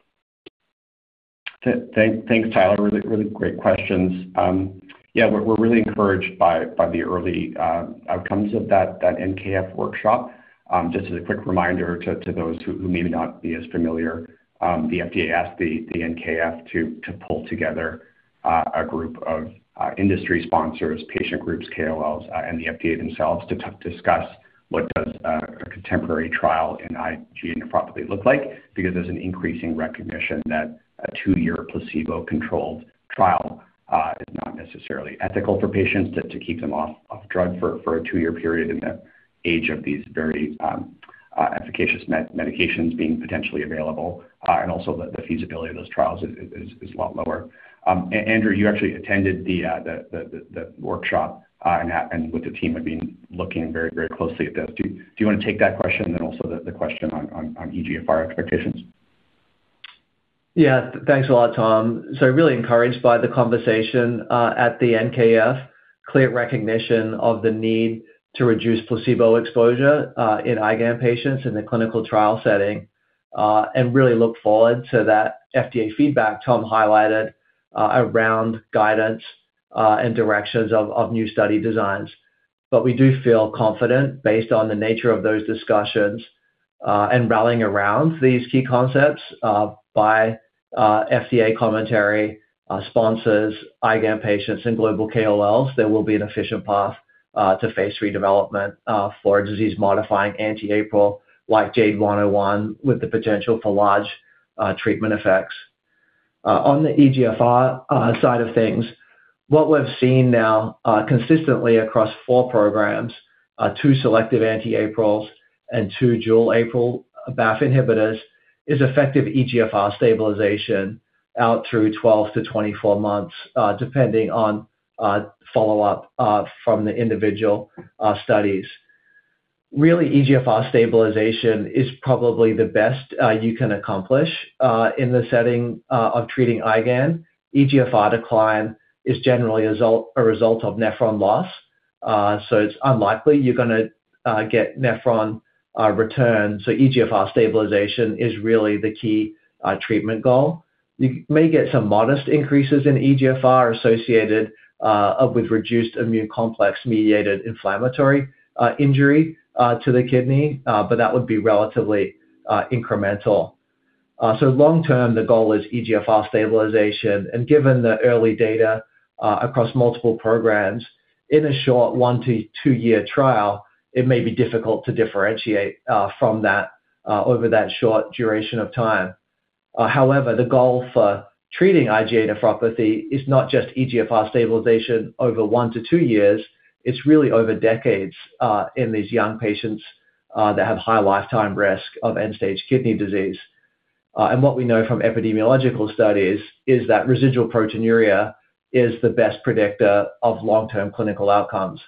Thanks, Tyler. Really great questions. Yeah, we're really encouraged by the early outcomes of that NKF workshop. Just as a quick reminder to those who may not be as familiar, the FDA asked the NKF to pull together a group of industry sponsors, patient groups, KOLs, and the FDA themselves to discuss what does a contemporary trial in IgA nephropathy look like, because there's an increasing recognition that a two-year placebo-controlled trial is not necessarily ethical for patients to keep them off drug for a two-year period in the age of these very efficacious medications being potentially available. Also the feasibility of those trials is a lot lower. Andrew, you actually attended the workshop and with the team have been looking very closely at this. Do you want to take that question and then also the question on eGFR expectations? Yeah. Thanks a lot, Tom. Really encouraged by the conversation at the NKF. Clear recognition of the need to reduce placebo exposure in IgAN patients in the clinical trial setting and really look forward to that FDA feedback Tom highlighted around guidance and directions of new study designs. We do feel confident based on the nature of those discussions and rallying around these key concepts by FDA commentary, sponsors, IgAN patients, and global KOLs, there will be an efficient path to phase redevelopment for a disease-modifying anti-APRIL like JADE101 with the potential for large treatment effects. On the eGFR side of things, what we've seen now consistently across four programs, two selective anti-APRILs and two dual APRIL/BAFF inhibitors, is effective eGFR stabilization out through 12-24 months, depending on follow-up from the individual studies. Really, eGFR stabilization is probably the best you can accomplish in the setting of treating IgAN. eGFR decline is generally a result of nephron loss. It's unlikely you're going to get nephron return. eGFR stabilization is really the key treatment goal. You may get some modest increases in eGFR associated with reduced immune complex-mediated inflammatory injury to the kidney, but that would be relatively incremental. Long-term, the goal is eGFR stabilization, and given the early data across multiple programs in a short one to two-year trial, it may be difficult to differentiate from that over that short duration of time. However, the goal for treating IgA nephropathy is not just eGFR stabilization over one to two years. It's really over decades in these young patients that have high lifetime risk of end-stage kidney disease. What we know from epidemiological studies is that residual proteinuria is the best predictor of long-term clinical outcomes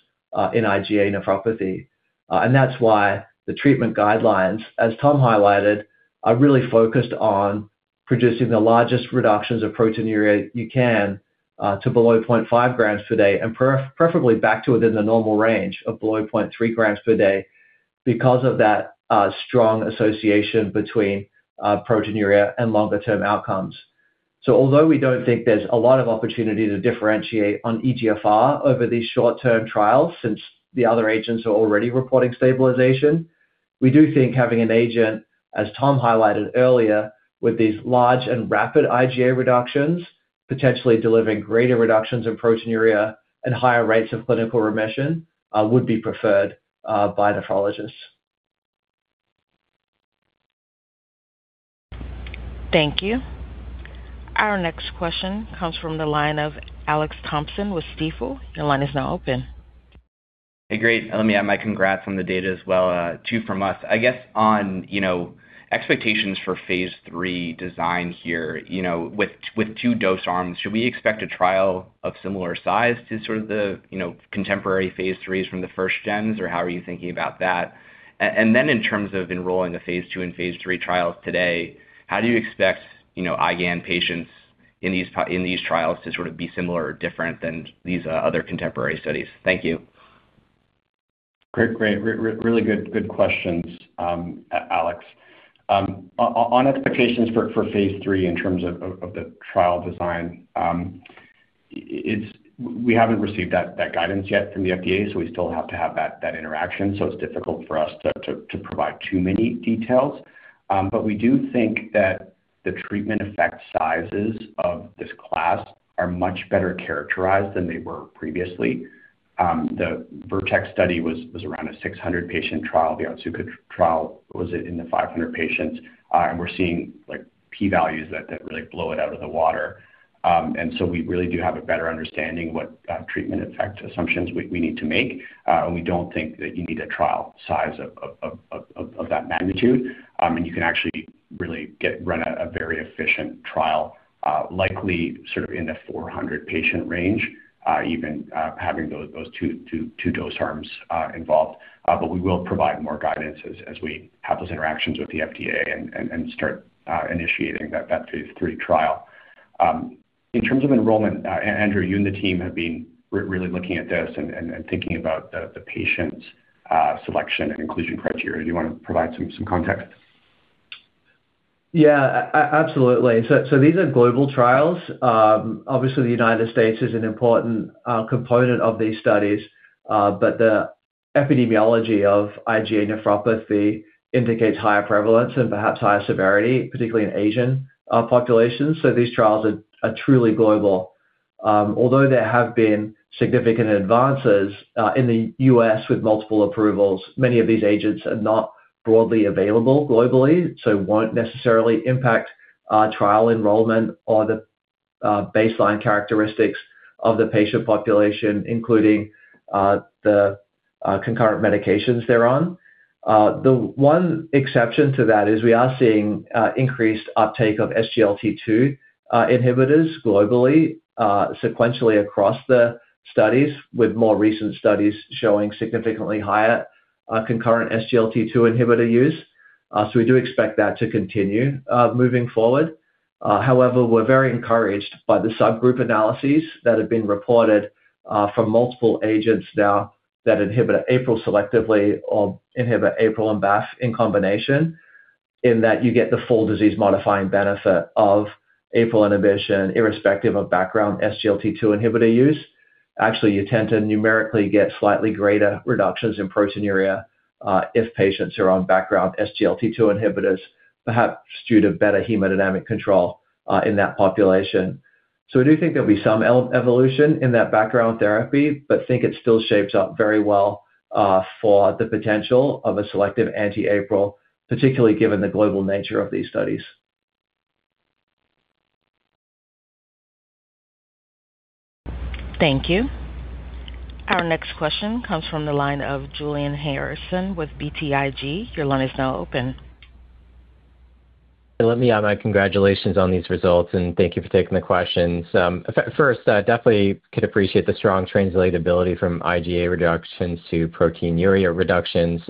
in IgA nephropathy. That's why the treatment guidelines, as Tom highlighted, are really focused on producing the largest reductions of proteinuria you can to below 0.5 g per day and preferably back to within the normal range of below 0.3 grams per day because of that strong association between proteinuria and longer-term outcomes. Although we don't think there's a lot of opportunity to differentiate on eGFR over these short-term trials, since the other agents are already reporting stabilization, we do think having an agent, as Tom highlighted earlier, with these large and rapid IgA reductions, potentially delivering greater reductions in proteinuria and higher rates of clinical remission, would be preferred by nephrologists. Thank you. Our next question comes from the line of Alex Thompson with Stifel. Your line is now open. Hey, great. Let me add my congrats on the data as well, too, from us. I guess on expectations for phase III design here with 2 dose arms, should we expect a trial of similar size to sort of the contemporary phase IIIs from the first gens, or how are you thinking about that? In terms of enrolling the phase II and phase III trials today, how do you expect IgAN patients in these trials to sort of be similar or different than these other contemporary studies? Thank you. Great. Really good questions, Alex. On expectations for phase III in terms of the trial design, we haven't received that guidance yet from the FDA, so we still have to have that interaction, so it's difficult for us to provide too many details. We do think that the treatment effect sizes of this class are much better characterized than they were previously. The Vertex study was around a 600-patient trial. The Otsuka trial was in the 500 patients. We're seeing P values that really blow it out of the water. So we really do have a better understanding what treatment effect assumptions we need to make. We don't think that you need a trial size of that magnitude. You can actually really run a very efficient trial, likely sort of in the 400-patient range, even having those two dose arms involved. We will provide more guidance as we have those interactions with the FDA and start initiating that phase III trial. In terms of enrollment, Andrew, you and the team have been really looking at this and thinking about the patient selection and inclusion criteria. Do you want to provide some context? Yeah, absolutely. These are global trials. Obviously, the U.S. is an important component of these studies, the epidemiology of IgA nephropathy indicates higher prevalence and perhaps higher severity, particularly in Asian populations, these trials are truly global. Although there have been significant advances in the U.S. with multiple approvals, many of these agents are not broadly available globally, won't necessarily impact trial enrollment or the baseline characteristics of the patient population, including the concurrent medications they're on. The one exception to that is we are seeing increased uptake of SGLT2 inhibitors globally, sequentially across the studies, with more recent studies showing significantly higher concurrent SGLT2 inhibitor use. We do expect that to continue moving forward. However, we're very encouraged by the subgroup analyses that have been reported from multiple agents now that inhibit APRIL selectively or inhibit APRIL and BAFF in combination, in that you get the full disease-modifying benefit of APRIL inhibition, irrespective of background SGLT2 inhibitor use. Actually, you tend to numerically get slightly greater reductions in proteinuria if patients are on background SGLT2 inhibitors, perhaps due to better hemodynamic control in that population. We do think there'll be some evolution in that background therapy, but think it still shapes up very well for the potential of a selective anti-APRIL, particularly given the global nature of these studies. Thank you. Our next question comes from the line of Julian Harrison with BTIG. Your line is now open. Let me add my congratulations on these results, and thank you for taking the questions. First, definitely could appreciate the strong translatability from IgA reductions to proteinuria reductions.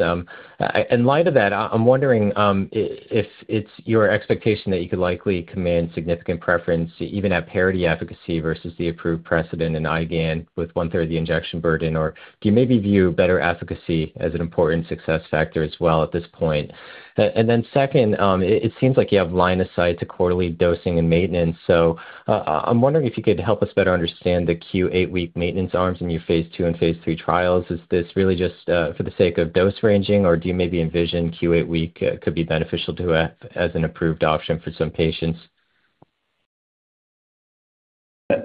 In light of that, I'm wondering if it's your expectation that you could likely command significant preference even at parity efficacy versus the approved precedent in IgAN with one-third the injection burden, or do you maybe view better efficacy as an important success factor as well at this point? Second, it seems like you have line of sight to quarterly dosing and maintenance. I'm wondering if you could help us better understand the Q8 week maintenance arms in your phase II and phase III trials. Is this really just for the sake of dose ranging, or do you maybe envision Q8 week could be beneficial as an approved option for some patients?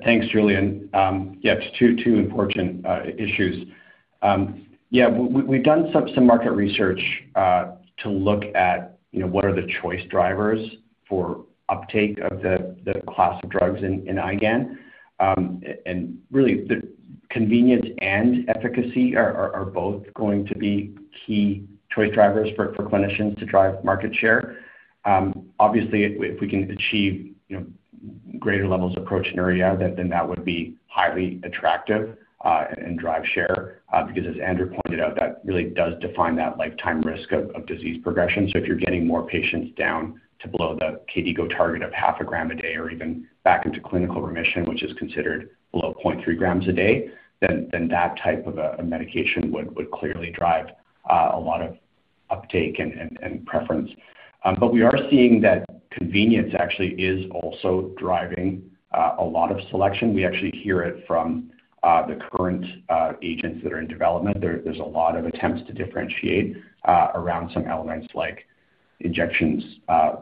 Thanks, Julian. Two important issues. We've done some market research to look at what are the choice drivers for uptake of the class of drugs in IgAN. Really, the convenience and efficacy are both going to be key choice drivers for clinicians to drive market share. Obviously, if we can achieve greater levels of proteinuria, that would be highly attractive and drive share because as Andrew pointed out, that really does define that lifetime risk of disease progression. If you're getting more patients down to below the KDIGO target of half a gram a day or even back into clinical remission, which is considered below 0.3 g a day, that type of a medication would clearly drive a lot of uptake and preference. We are seeing that convenience actually is also driving a lot of selection. We actually hear it from the current agents that are in development. There's a lot of attempts to differentiate around some elements like injections,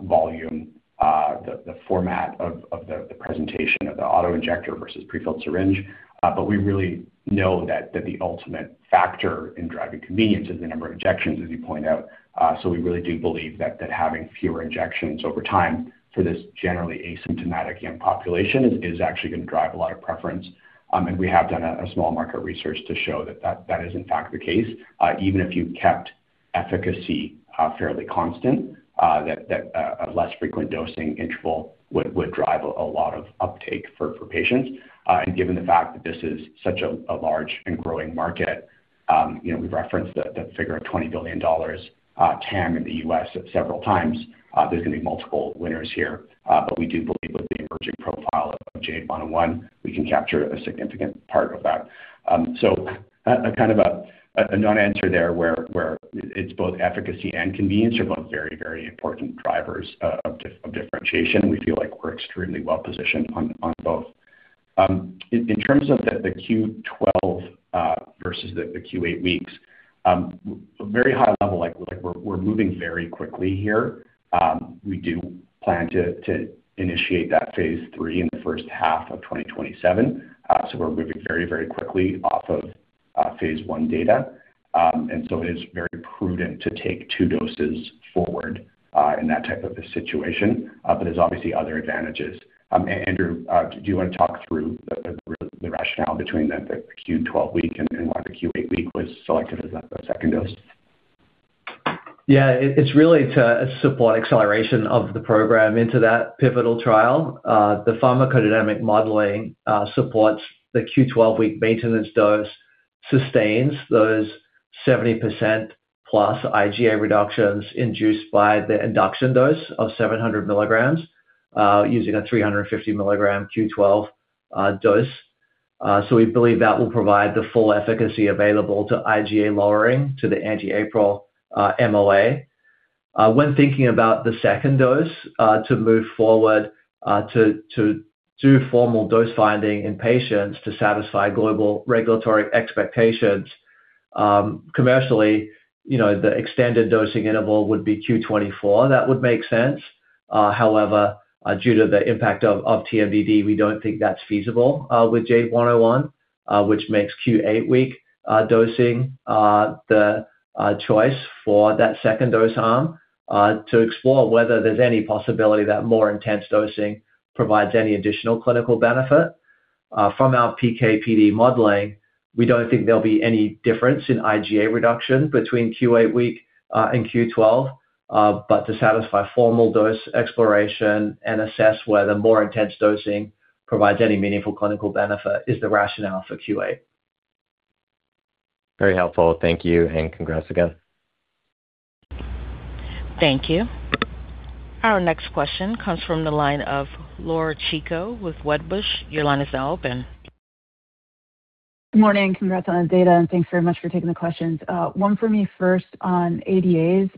volume, the format of the presentation of the auto-injector versus prefilled syringe. We really know that the ultimate factor in driving convenience is the number of injections, as you point out. We really do believe that having fewer injections over time for this generally asymptomatic young population is actually going to drive a lot of preference. We have done a small market research to show that that is in fact the case. Even if you kept efficacy fairly constant, that a less frequent dosing interval would drive a lot of uptake for patients. Given the fact that this is such a large and growing market, we've referenced the figure of $20 billion TAM in the U.S. several times. There's going to be multiple winners here. We do believe with the emerging profile of JADE101, we can capture a significant part of that. A non-answer there where it's both efficacy and convenience are both very, very important drivers of differentiation. We feel like we're extremely well positioned on both. In terms of the Q12 versus the Q8 weeks, very high level, we're moving very quickly here. We do plan to initiate that phase III in the first half of 2027. We're moving very, very quickly off of phase I data. It is very prudent to take two doses forward in that type of a situation. There's obviously other advantages. Andrew, do you want to talk through the rationale between the Q12 week and why the Q8 week was selected as the second dose? Yeah. It's really to support acceleration of the program into that pivotal trial. The pharmacodynamic modeling supports the Q12-week maintenance dose, sustains those 70% plus IgA reductions induced by the induction dose of 700 milligrams using a 350-milligram Q12 dose. We believe that will provide the full efficacy available to IgA lowering to the anti-APRIL MOA. When thinking about the second dose to move forward to do formal dose finding in patients to satisfy global regulatory expectations, commercially, the extended dosing interval would be Q24. That would make sense. Due to the impact of TMDD, we don't think that's feasible with JADE101, which makes Q8-week dosing the choice for that second dose arm to explore whether there's any possibility that more intense dosing provides any additional clinical benefit. From our PK/PD modeling, we don't think there'll be any difference in IgA reduction between Q8 week and Q12. To satisfy formal dose exploration and assess whether more intense dosing provides any meaningful clinical benefit is the rationale for Q8. Very helpful. Thank you, and congrats again. Thank you. Our next question comes from the line of Laura Chico with Wedbush. Your line is now open. Morning. Congrats on the data, and thanks very much for taking the questions. One for me first on ADAs.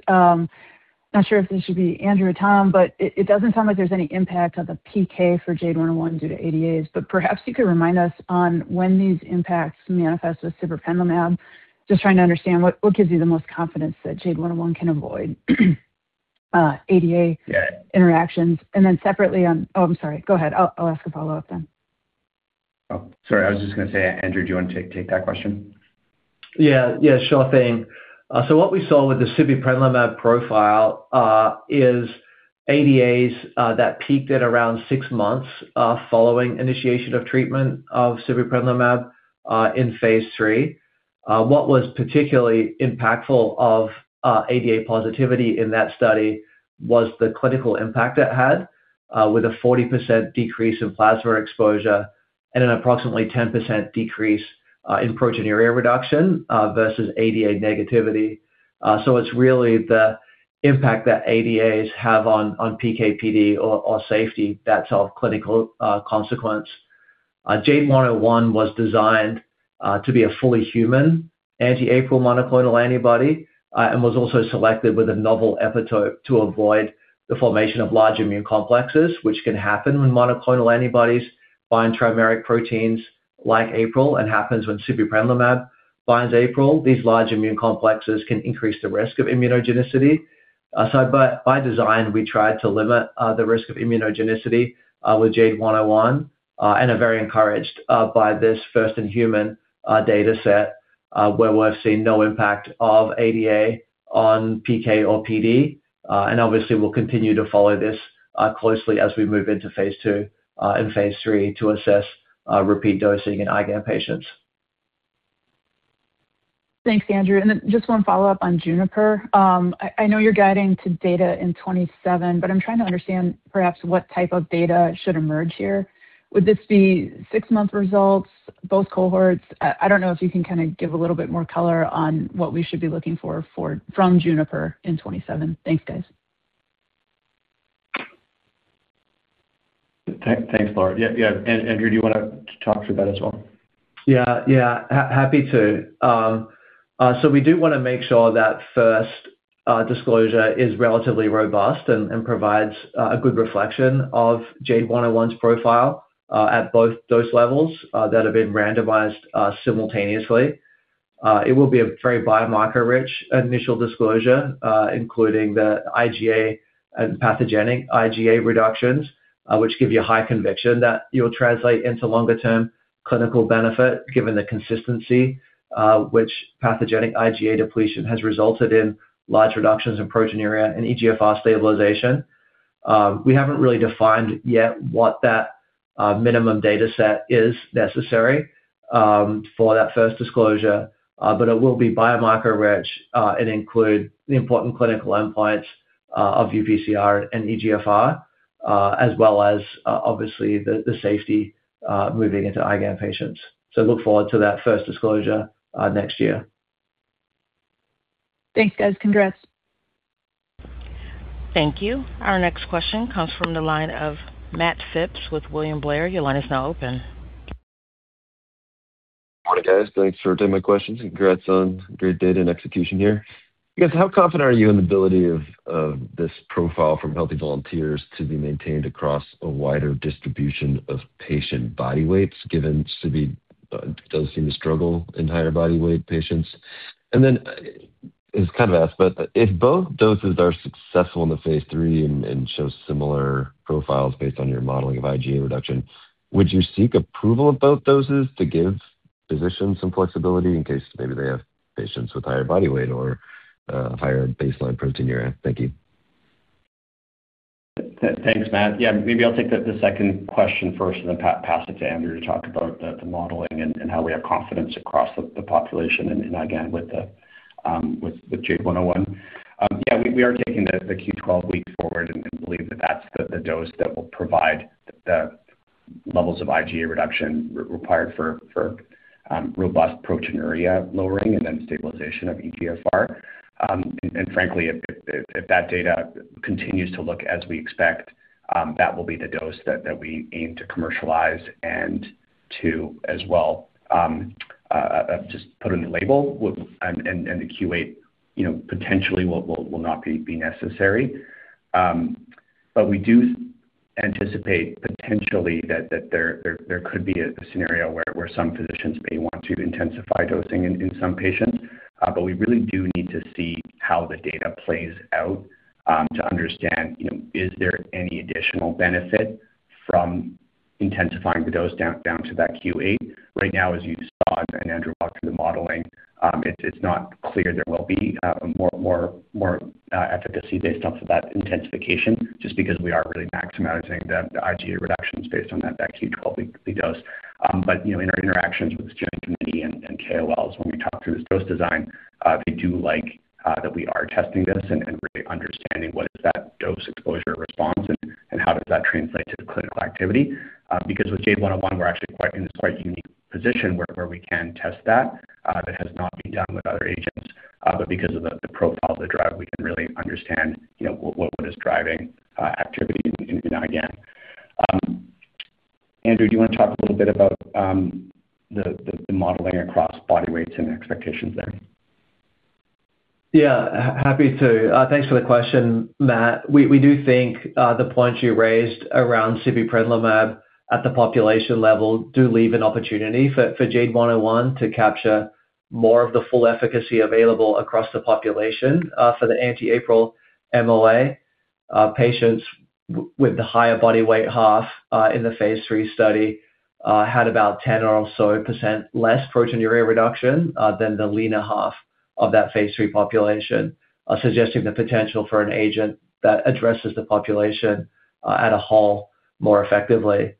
I'm not sure if this should be Andrew or Tom, but it doesn't sound like there's any impact on the PK for JADE101 due to ADAs. Perhaps you could remind us on when these impacts manifest with sibeprenlimab. Just trying to understand what gives you the most confidence that JADE101 can avoid ADA interactions. Then separately on Oh, I'm sorry. Go ahead. I'll ask a follow-up then. Oh, sorry. I was just going to say, Andrew, do you want to take that question? Sure thing. What we saw with the sibeprenlimab profile is ADAs that peaked at around six months following initiation of treatment of sibeprenlimab in phase III. What was particularly impactful of ADA positivity in that study was the clinical impact it had, with a 40% decrease in plasma exposure and an approximately 10% decrease in proteinuria reduction versus ADA negativity. It's really the impact that ADAs have on PK/PD or safety that's of clinical consequence. JADE101 was designed to be a fully human anti-APRIL monoclonal antibody and was also selected with a novel epitope to avoid the formation of large immune complexes, which can happen when monoclonal antibodies bind trimeric proteins like APRIL and happens when sibeprenlimab binds APRIL. These large immune complexes can increase the risk of immunogenicity. By design, we tried to limit the risk of immunogenicity with JADE101 and are very encouraged by this first-in-human data set where we've seen no impact of ADA on PK or PD. Obviously we'll continue to follow this closely as we move into phase II and phase III to assess repeat dosing in IgAN patients. Thanks, Andrew. Just one follow-up on JUNIPER. I know you're guiding to data in 2027, but I'm trying to understand perhaps what type of data should emerge here. Would this be six-month results, both cohorts? I don't know if you can give a little bit more color on what we should be looking for from JUNIPER in 2027. Thanks, guys. Thanks, Laura. Yeah. Andrew, do you want to talk to that as well? Happy to. We do want to make sure that first disclosure is relatively robust and provides a good reflection of JADE101's profile at both dose levels that have been randomized simultaneously. It will be a very biomarker-rich initial disclosure including the IgA and pathogenic IgA reductions, which give you high conviction that you will translate into longer-term clinical benefit given the consistency which pathogenic IgA depletion has resulted in large reductions in proteinuria and eGFR stabilization. We haven't really defined yet what that minimum data set is necessary for that first disclosure, it will be biomarker rich and include the important clinical endpoints of UPCR and eGFR as well as obviously the safety moving into IgAN patients. Look forward to that first disclosure next year. Thanks, guys. Congrats. Thank you. Our next question comes from the line of Matt Phipps with William Blair. Your line is now open. Morning, guys. Thanks for taking my questions. Congrats on great data and execution here. You guys, how confident are you in the ability of this profile from healthy volunteers to be maintained across a wider distribution of patient body weights given CIBINQO does seem to struggle in higher body weight patients? Then it's kind of asked, but if both doses are successful in the phase III and show similar profiles based on your modeling of IgA reduction, would you seek approval of both doses to give physicians some flexibility in case maybe they have patients with higher body weight or a higher baseline proteinuria? Thank you. Thanks, Matt. Yeah, maybe I'll take the second question first and then pass it to Andrew to talk about the modeling and how we have confidence across the population and again, with JADE101. Yeah, we are taking the Q12 week forward and believe that that's the dose that will provide the levels of IgA reduction required for robust proteinuria lowering and then stabilization of eGFR. Frankly, if that data continues to look as we expect, that will be the dose that we aim to commercialize and to as well just put on the label and the Q8 potentially will not be necessary. We do anticipate potentially that there could be a scenario where some physicians may want to intensify dosing in some patients. We really do need to see how the data plays out to understand, is there any additional benefit from intensifying the dose down to that Q8. Right now as you saw, and Andrew walked through the modeling, it's not clear there will be more efficacy based off of that intensification just because we are really maximizing the IgA reductions based on that Q12 week dose. In our interactions with the steering committee and KOLs when we talked through this dose design, they do like that we are testing this and really understanding what is that dose exposure response and how does that translate to the clinical activity. With JADE101, we're actually in this quite unique position where we can test that. That has not been done with other agents. Because of the profiles of the drug, we can really understand what is driving activity in IgAN. Andrew, do you want to talk a little bit about the modeling across body weights and expectations there? Yeah, happy to. Thanks for the question, Matt. We do think the points you raised around sibeprenlimab at the population level do leave an opportunity for JADE101 to capture more of the full efficacy available across the population for the anti-APRIL MOA. Patients with the higher body weight half in the phase III study had about 10% or so less proteinuria reduction than the leaner half of that phase III population, suggesting the potential for an agent that addresses the population at a whole more effectively.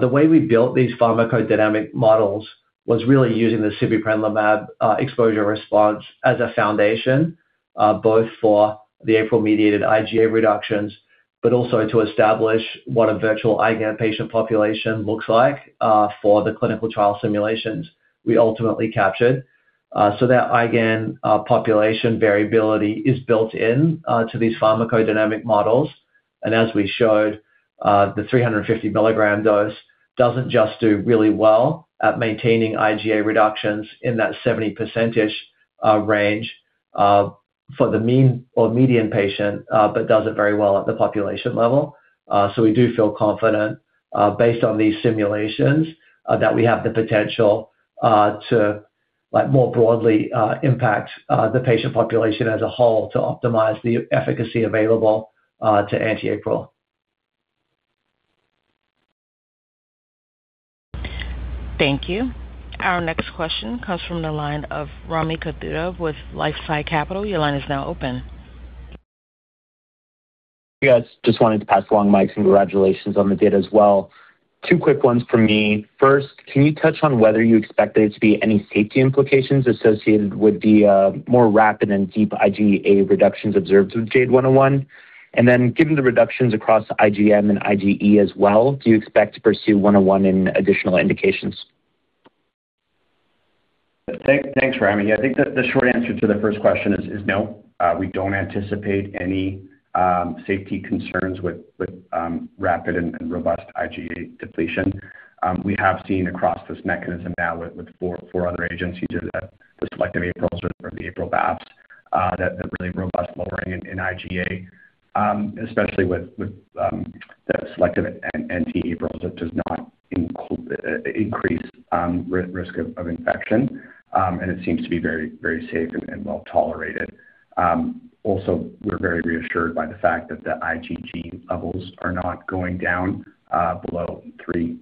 The way we built these pharmacodynamic models was really using the sibeprenlimab exposure response as a foundation, both for the APRIL-mediated IgA reductions, but also to establish what a virtual IgAN patient population looks like for the clinical trial simulations we ultimately captured. That IgAN population variability is built in to these pharmacodynamic models. As we showed, the 350 milligram dose doesn't just do really well at maintaining IgA reductions in that 70%ish range for the median patient, but does it very well at the population level. We do feel confident based on these simulations, that we have the potential to more broadly impact the patient population as a whole to optimize the efficacy available to anti-APRIL. Thank you. Our next question comes from the line of Rami Katkhuda with LifeSci Capital. Your line is now open. Yes. Just wanted to pass along Mike's congratulations on the data as well. Two quick ones from me. First, can you touch on whether you expect there to be any safety implications associated with the more rapid and deep IgA reductions observed with JADE101? Then given the reductions across IgM and IgE as well, do you expect to pursue 101 in additional indications? Thanks, Rami. I think the short answer to the first question is no. We don't anticipate any safety concerns with rapid and robust IgA depletion. We have seen across this mechanism now with four other agents, either the selective APRILs or the APRIL/BAFFs, that really robust lowering in IgA, especially with the selective anti-APRILs, it does not increase risk of infection. It seems to be very safe and well-tolerated. Also, we're very reassured by the fact that the IgG levels are not going down below three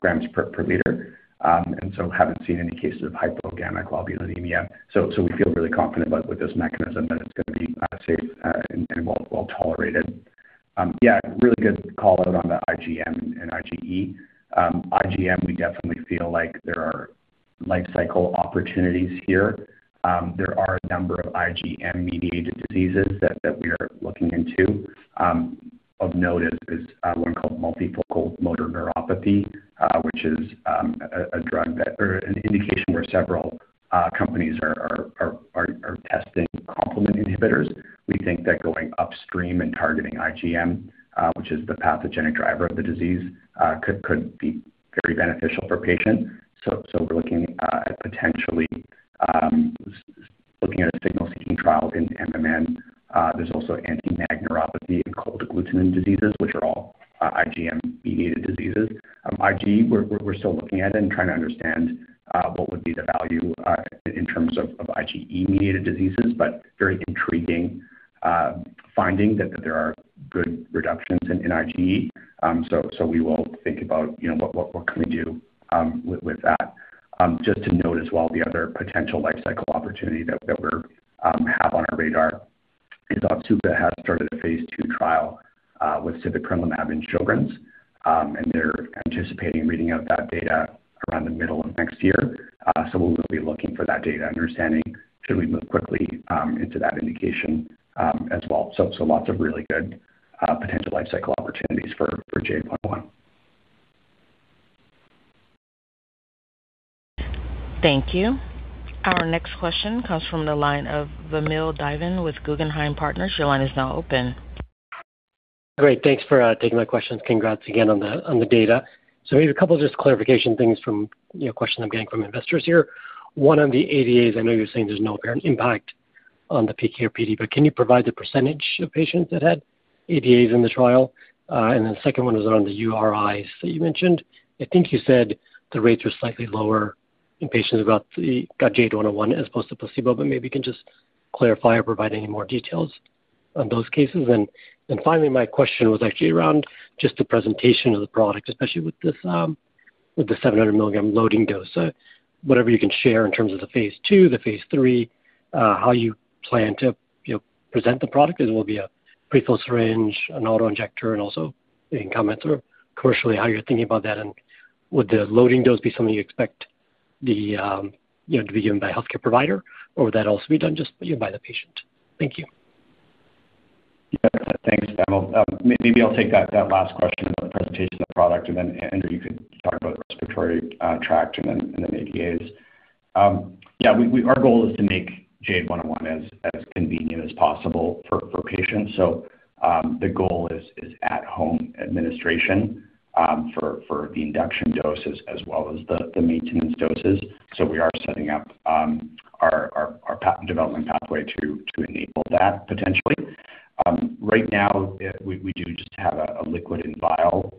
grams per liter, and so haven't seen any cases of hypogammaglobulinemia. We feel really confident with this mechanism that it's going to be safe and well-tolerated. Yeah, really good call out on the IgM and IgE. IgM, we definitely feel like there are life cycle opportunities here. There are a number of IgM-mediated diseases that we are looking into. Of note is one called Multifocal Motor Neuropathy, which is an indication where several companies are testing complement inhibitors. We think that going upstream and targeting IgM, which is the pathogenic driver of the disease, could be very beneficial for patients. We're looking at potentially looking at a signal-seeking trial in MMN. There's also anti-MAG neuropathy and Cold Agglutinin Disease, which are all IgM-mediated diseases. IgE, we're still looking at it and trying to understand what would be the value in terms of IgE-mediated diseases, but very intriguing finding that there are good reductions in IgE. We will think about what can we do with that. Just to note as well, the other potential life cycle opportunity that we have on our radar is Otsuka has started a phase II trial with sibeprenlimab in children's, and they're anticipating reading out that data around the middle of next year. We'll be looking for that data, understanding should we move quickly into that indication as well. Lots of really good potential life cycle opportunities for JADE101. Thank you. Our next question comes from the line of Vamil Divan with Guggenheim Partners. Your line is now open. Great. Thanks for taking my questions. Congrats again on the data. Maybe a couple of just clarification things from questions I'm getting from investors here. One on the ADAs, I know you're saying there's no apparent impact on the PK or PD, can you provide the percentage of patients that had ADAs in the trial? Second one was around the URIs that you mentioned. I think you said the rates were slightly lower in patients who got JADE101 as opposed to placebo, maybe you can just clarify or provide any more details on those cases. Finally, my question was actually around just the presentation of the product, especially with the 700 milligram loading dose. Whatever you can share in terms of the phase II, the phase III, how you plan to present the product, because it will be a prefilled syringe, an auto-injector, and also any comments commercially how you're thinking about that. Would the loading dose be something you expect to be given by a healthcare provider, or would that also be done just by the patient? Thank you. Yeah, thanks, Vamil. Maybe I'll take that last question about the presentation of the product. Andrew, you could talk about respiratory tract and then ADAs. Our goal is to make JADE101 as convenient as possible for patients. The goal is at-home administration for the induction doses as well as the maintenance doses. We are setting up our patent development pathway to enable that potentially. Right now, we do just have a liquid and vial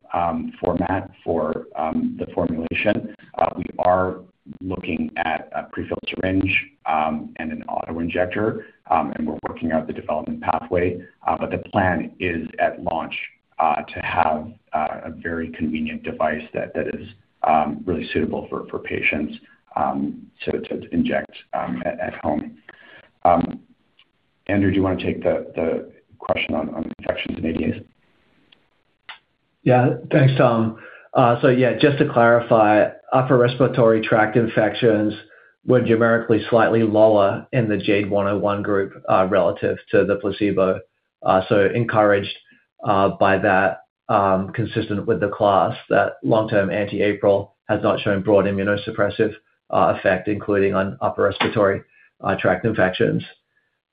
format for the formulation. We are looking at a prefilled syringe and an auto-injector, and we're working out the development pathway. The plan is at launch to have a very convenient device that is really suitable for patients to inject at home. Andrew, do you want to take the question on infections and ADAs? Yeah. Thanks, Tom. Yeah, just to clarify, upper respiratory tract infections were generically slightly lower in the JADE101 group relative to the placebo. Encouraged by that, consistent with the class, that long-term anti-APRIL has not shown broad immunosuppressive effect, including on upper respiratory tract infections.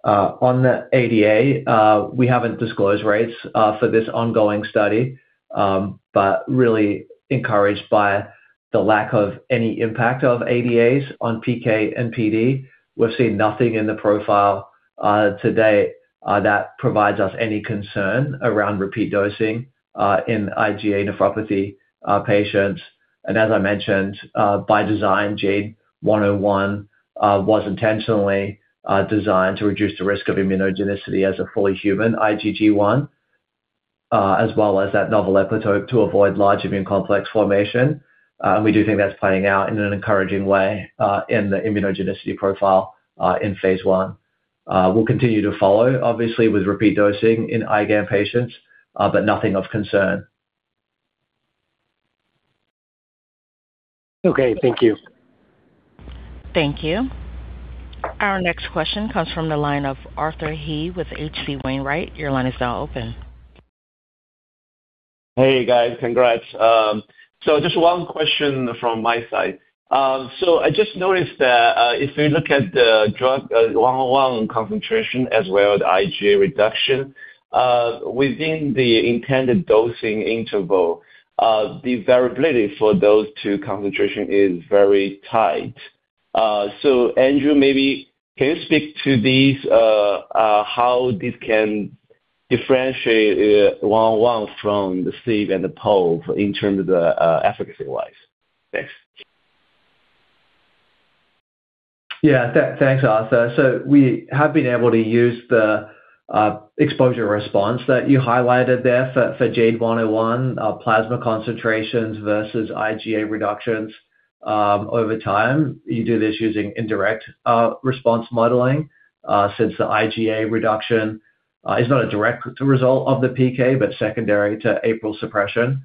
On the ADA, we haven't disclosed rates for this ongoing study, but really encouraged by the lack of any impact of ADAs on PK and PD. We've seen nothing in the profile to date that provides us any concern around repeat dosing in IgA nephropathy patients. As I mentioned, by design, JADE101 was intentionally designed to reduce the risk of immunogenicity as a fully human IgG1, as well as that novel epitope to avoid large immune complex formation. We do think that's playing out in an encouraging way in the immunogenicity profile in phase I. We'll continue to follow, obviously, with repeat dosing in IgA patients, but nothing of concern. Okay. Thank you. Thank you. Our next question comes from the line of Arthur He with H.C. Wainwright. Your line is now open. Hey, guys. Congrats. Just one question from my side. I just noticed that if we look at the JADE101 concentration as well as IgA reduction, within the intended dosing interval, the variability for those two concentration is very tight. Andrew, maybe can you speak to how this can differentiate JADE101 from the sibeprenlimab and the povetacicept in terms of efficacy-wise? Thanks. Yeah. Thanks, Arthur. We have been able to use the exposure response that you highlighted there for JADE101, plasma concentrations versus IgA reductions over time. You do this using indirect response modeling, since the IgA reduction is not a direct result of the PK, but secondary to APRIL suppression.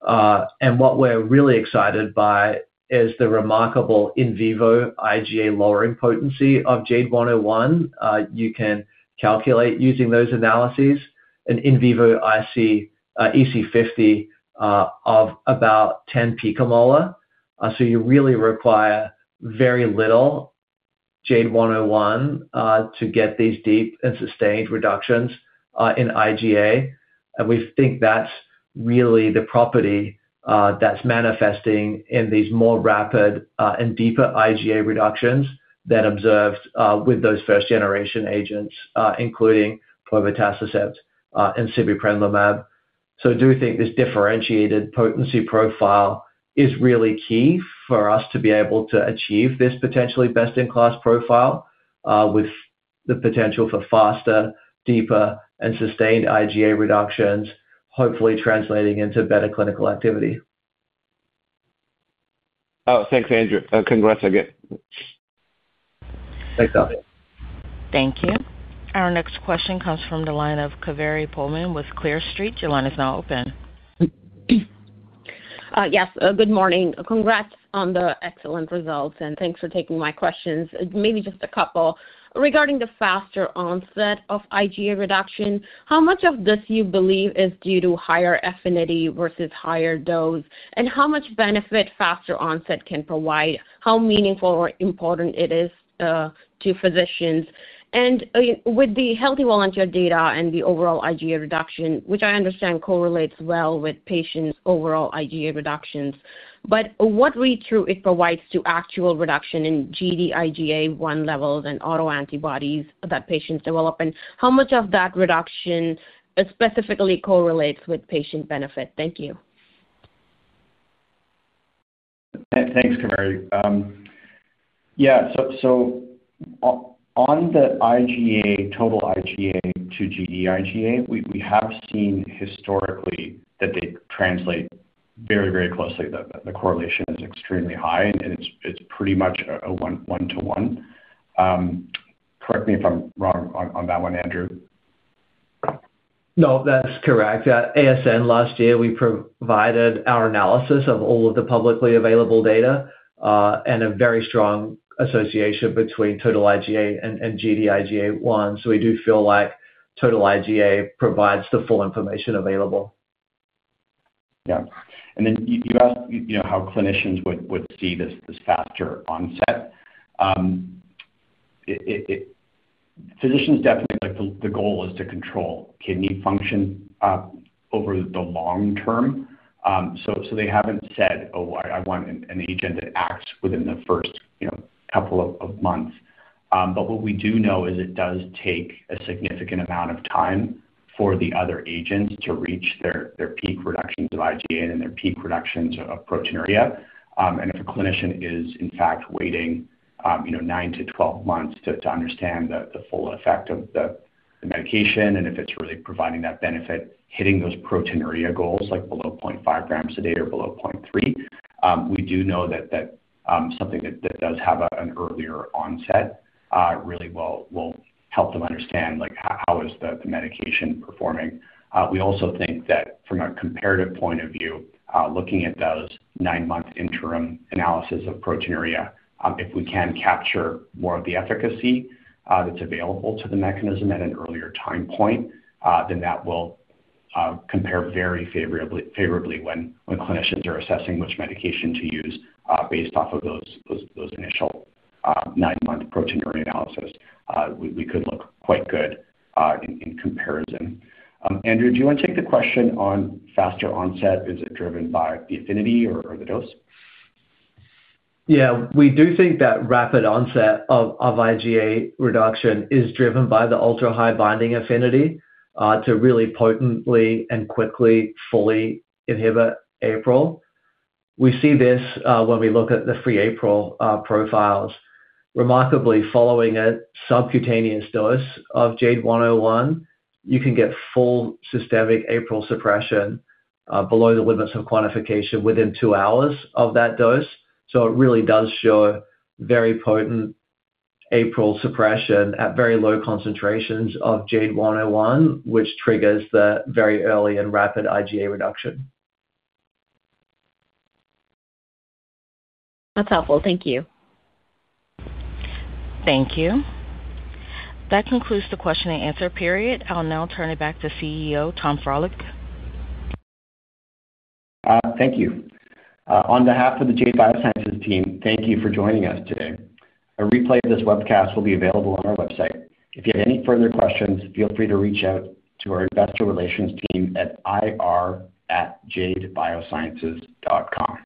What we're really excited by is the remarkable in vivo IgA lowering potency of JADE101. You can calculate using those analyses an in vivo EC50 of about 10 picomolar. You really require very little JADE101 to get these deep and sustained reductions in IgA. We think that's really the property that's manifesting in these more rapid and deeper IgA reductions than observed with those first-generation agents, including povetacicept and sibeprenlimab. Do think this differentiated potency profile is really key for us to be able to achieve this potentially best-in-class profile, with the potential for faster, deeper, and sustained IgA reductions, hopefully translating into better clinical activity. Oh, thanks, Andrew. Congrats again. Thanks, Arthur. Thank you. Our next question comes from the line of Kaveri Pohlman with Clear Street. Your line is now open. Yes. Good morning. Congrats on the excellent results, and thanks for taking my questions. Maybe just a couple. Regarding the faster onset of IgA reduction, how much of this you believe is due to higher affinity versus higher dose, and how much benefit faster onset can provide, how meaningful or important it is to physicians? With the healthy volunteer data and the overall IgA reduction, which I understand correlates well with patients' overall IgA reductions, but what read-through it provides to actual reduction in Gd-IgA1 levels and autoantibodies that patients develop, and how much of that reduction specifically correlates with patient benefit? Thank you. Thanks, Kaveri. Yeah. On the total IgA to Gd-IgA, we have seen historically that they translate very closely. The correlation is extremely high, and it's pretty much a one-to-one. Correct me if I'm wrong on that one, Andrew. No, that's correct. At ASN last year, we provided our analysis of all of the publicly available data, and a very strong association between total IgA and Gd-IgA1. We do feel like total IgA provides the full information available. You asked how clinicians would see this faster onset. For physicians, definitely the goal is to control kidney function over the long term. They haven't said, "Oh, I want an agent that acts within the first couple of months." What we do know is it does take a significant amount of time for the other agents to reach their peak reductions of IgA and their peak reductions of proteinuria. If a clinician is, in fact, waiting 9 to 12 months to understand the full effect of the medication, and if it's really providing that benefit, hitting those proteinuria goals, like below 0.5 grams a day or below 0.3. We do know that something that does have an earlier onset really will help them understand how is the medication performing. We also think that from a comparative point of view, looking at those nine-month interim analysis of proteinuria, if we can capture more of the efficacy that's available to the mechanism at an earlier time point, that will compare very favorably when clinicians are assessing which medication to use based off of those initial nine-month proteinuria analysis. We could look quite good in comparison. Andrew, do you want to take the question on faster onset? Is it driven by the affinity or the dose? Yeah. We do think that rapid onset of IgA reduction is driven by the ultra-high binding affinity to really potently and quickly, fully inhibit APRIL. We see this when we look at the free APRIL profiles. Remarkably, following a subcutaneous dose of JADE101, you can get full systemic APRIL suppression below the limits of quantification within two hours of that dose. It really does show very potent APRIL suppression at very low concentrations of JADE101, which triggers the very early and rapid IgA reduction. That's helpful. Thank you. Thank you. That concludes the question and answer period. I'll now turn it back to CEO, Tom Frohlich. Thank you. On behalf of the Jade Biosciences team, thank you for joining us today. A replay of this webcast will be available on our website. If you have any further questions, feel free to reach out to our investor relations team at ir@jadebiosciences.com.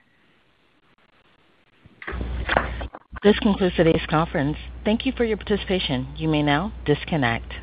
This concludes today's conference. Thank you for your participation. You may now disconnect.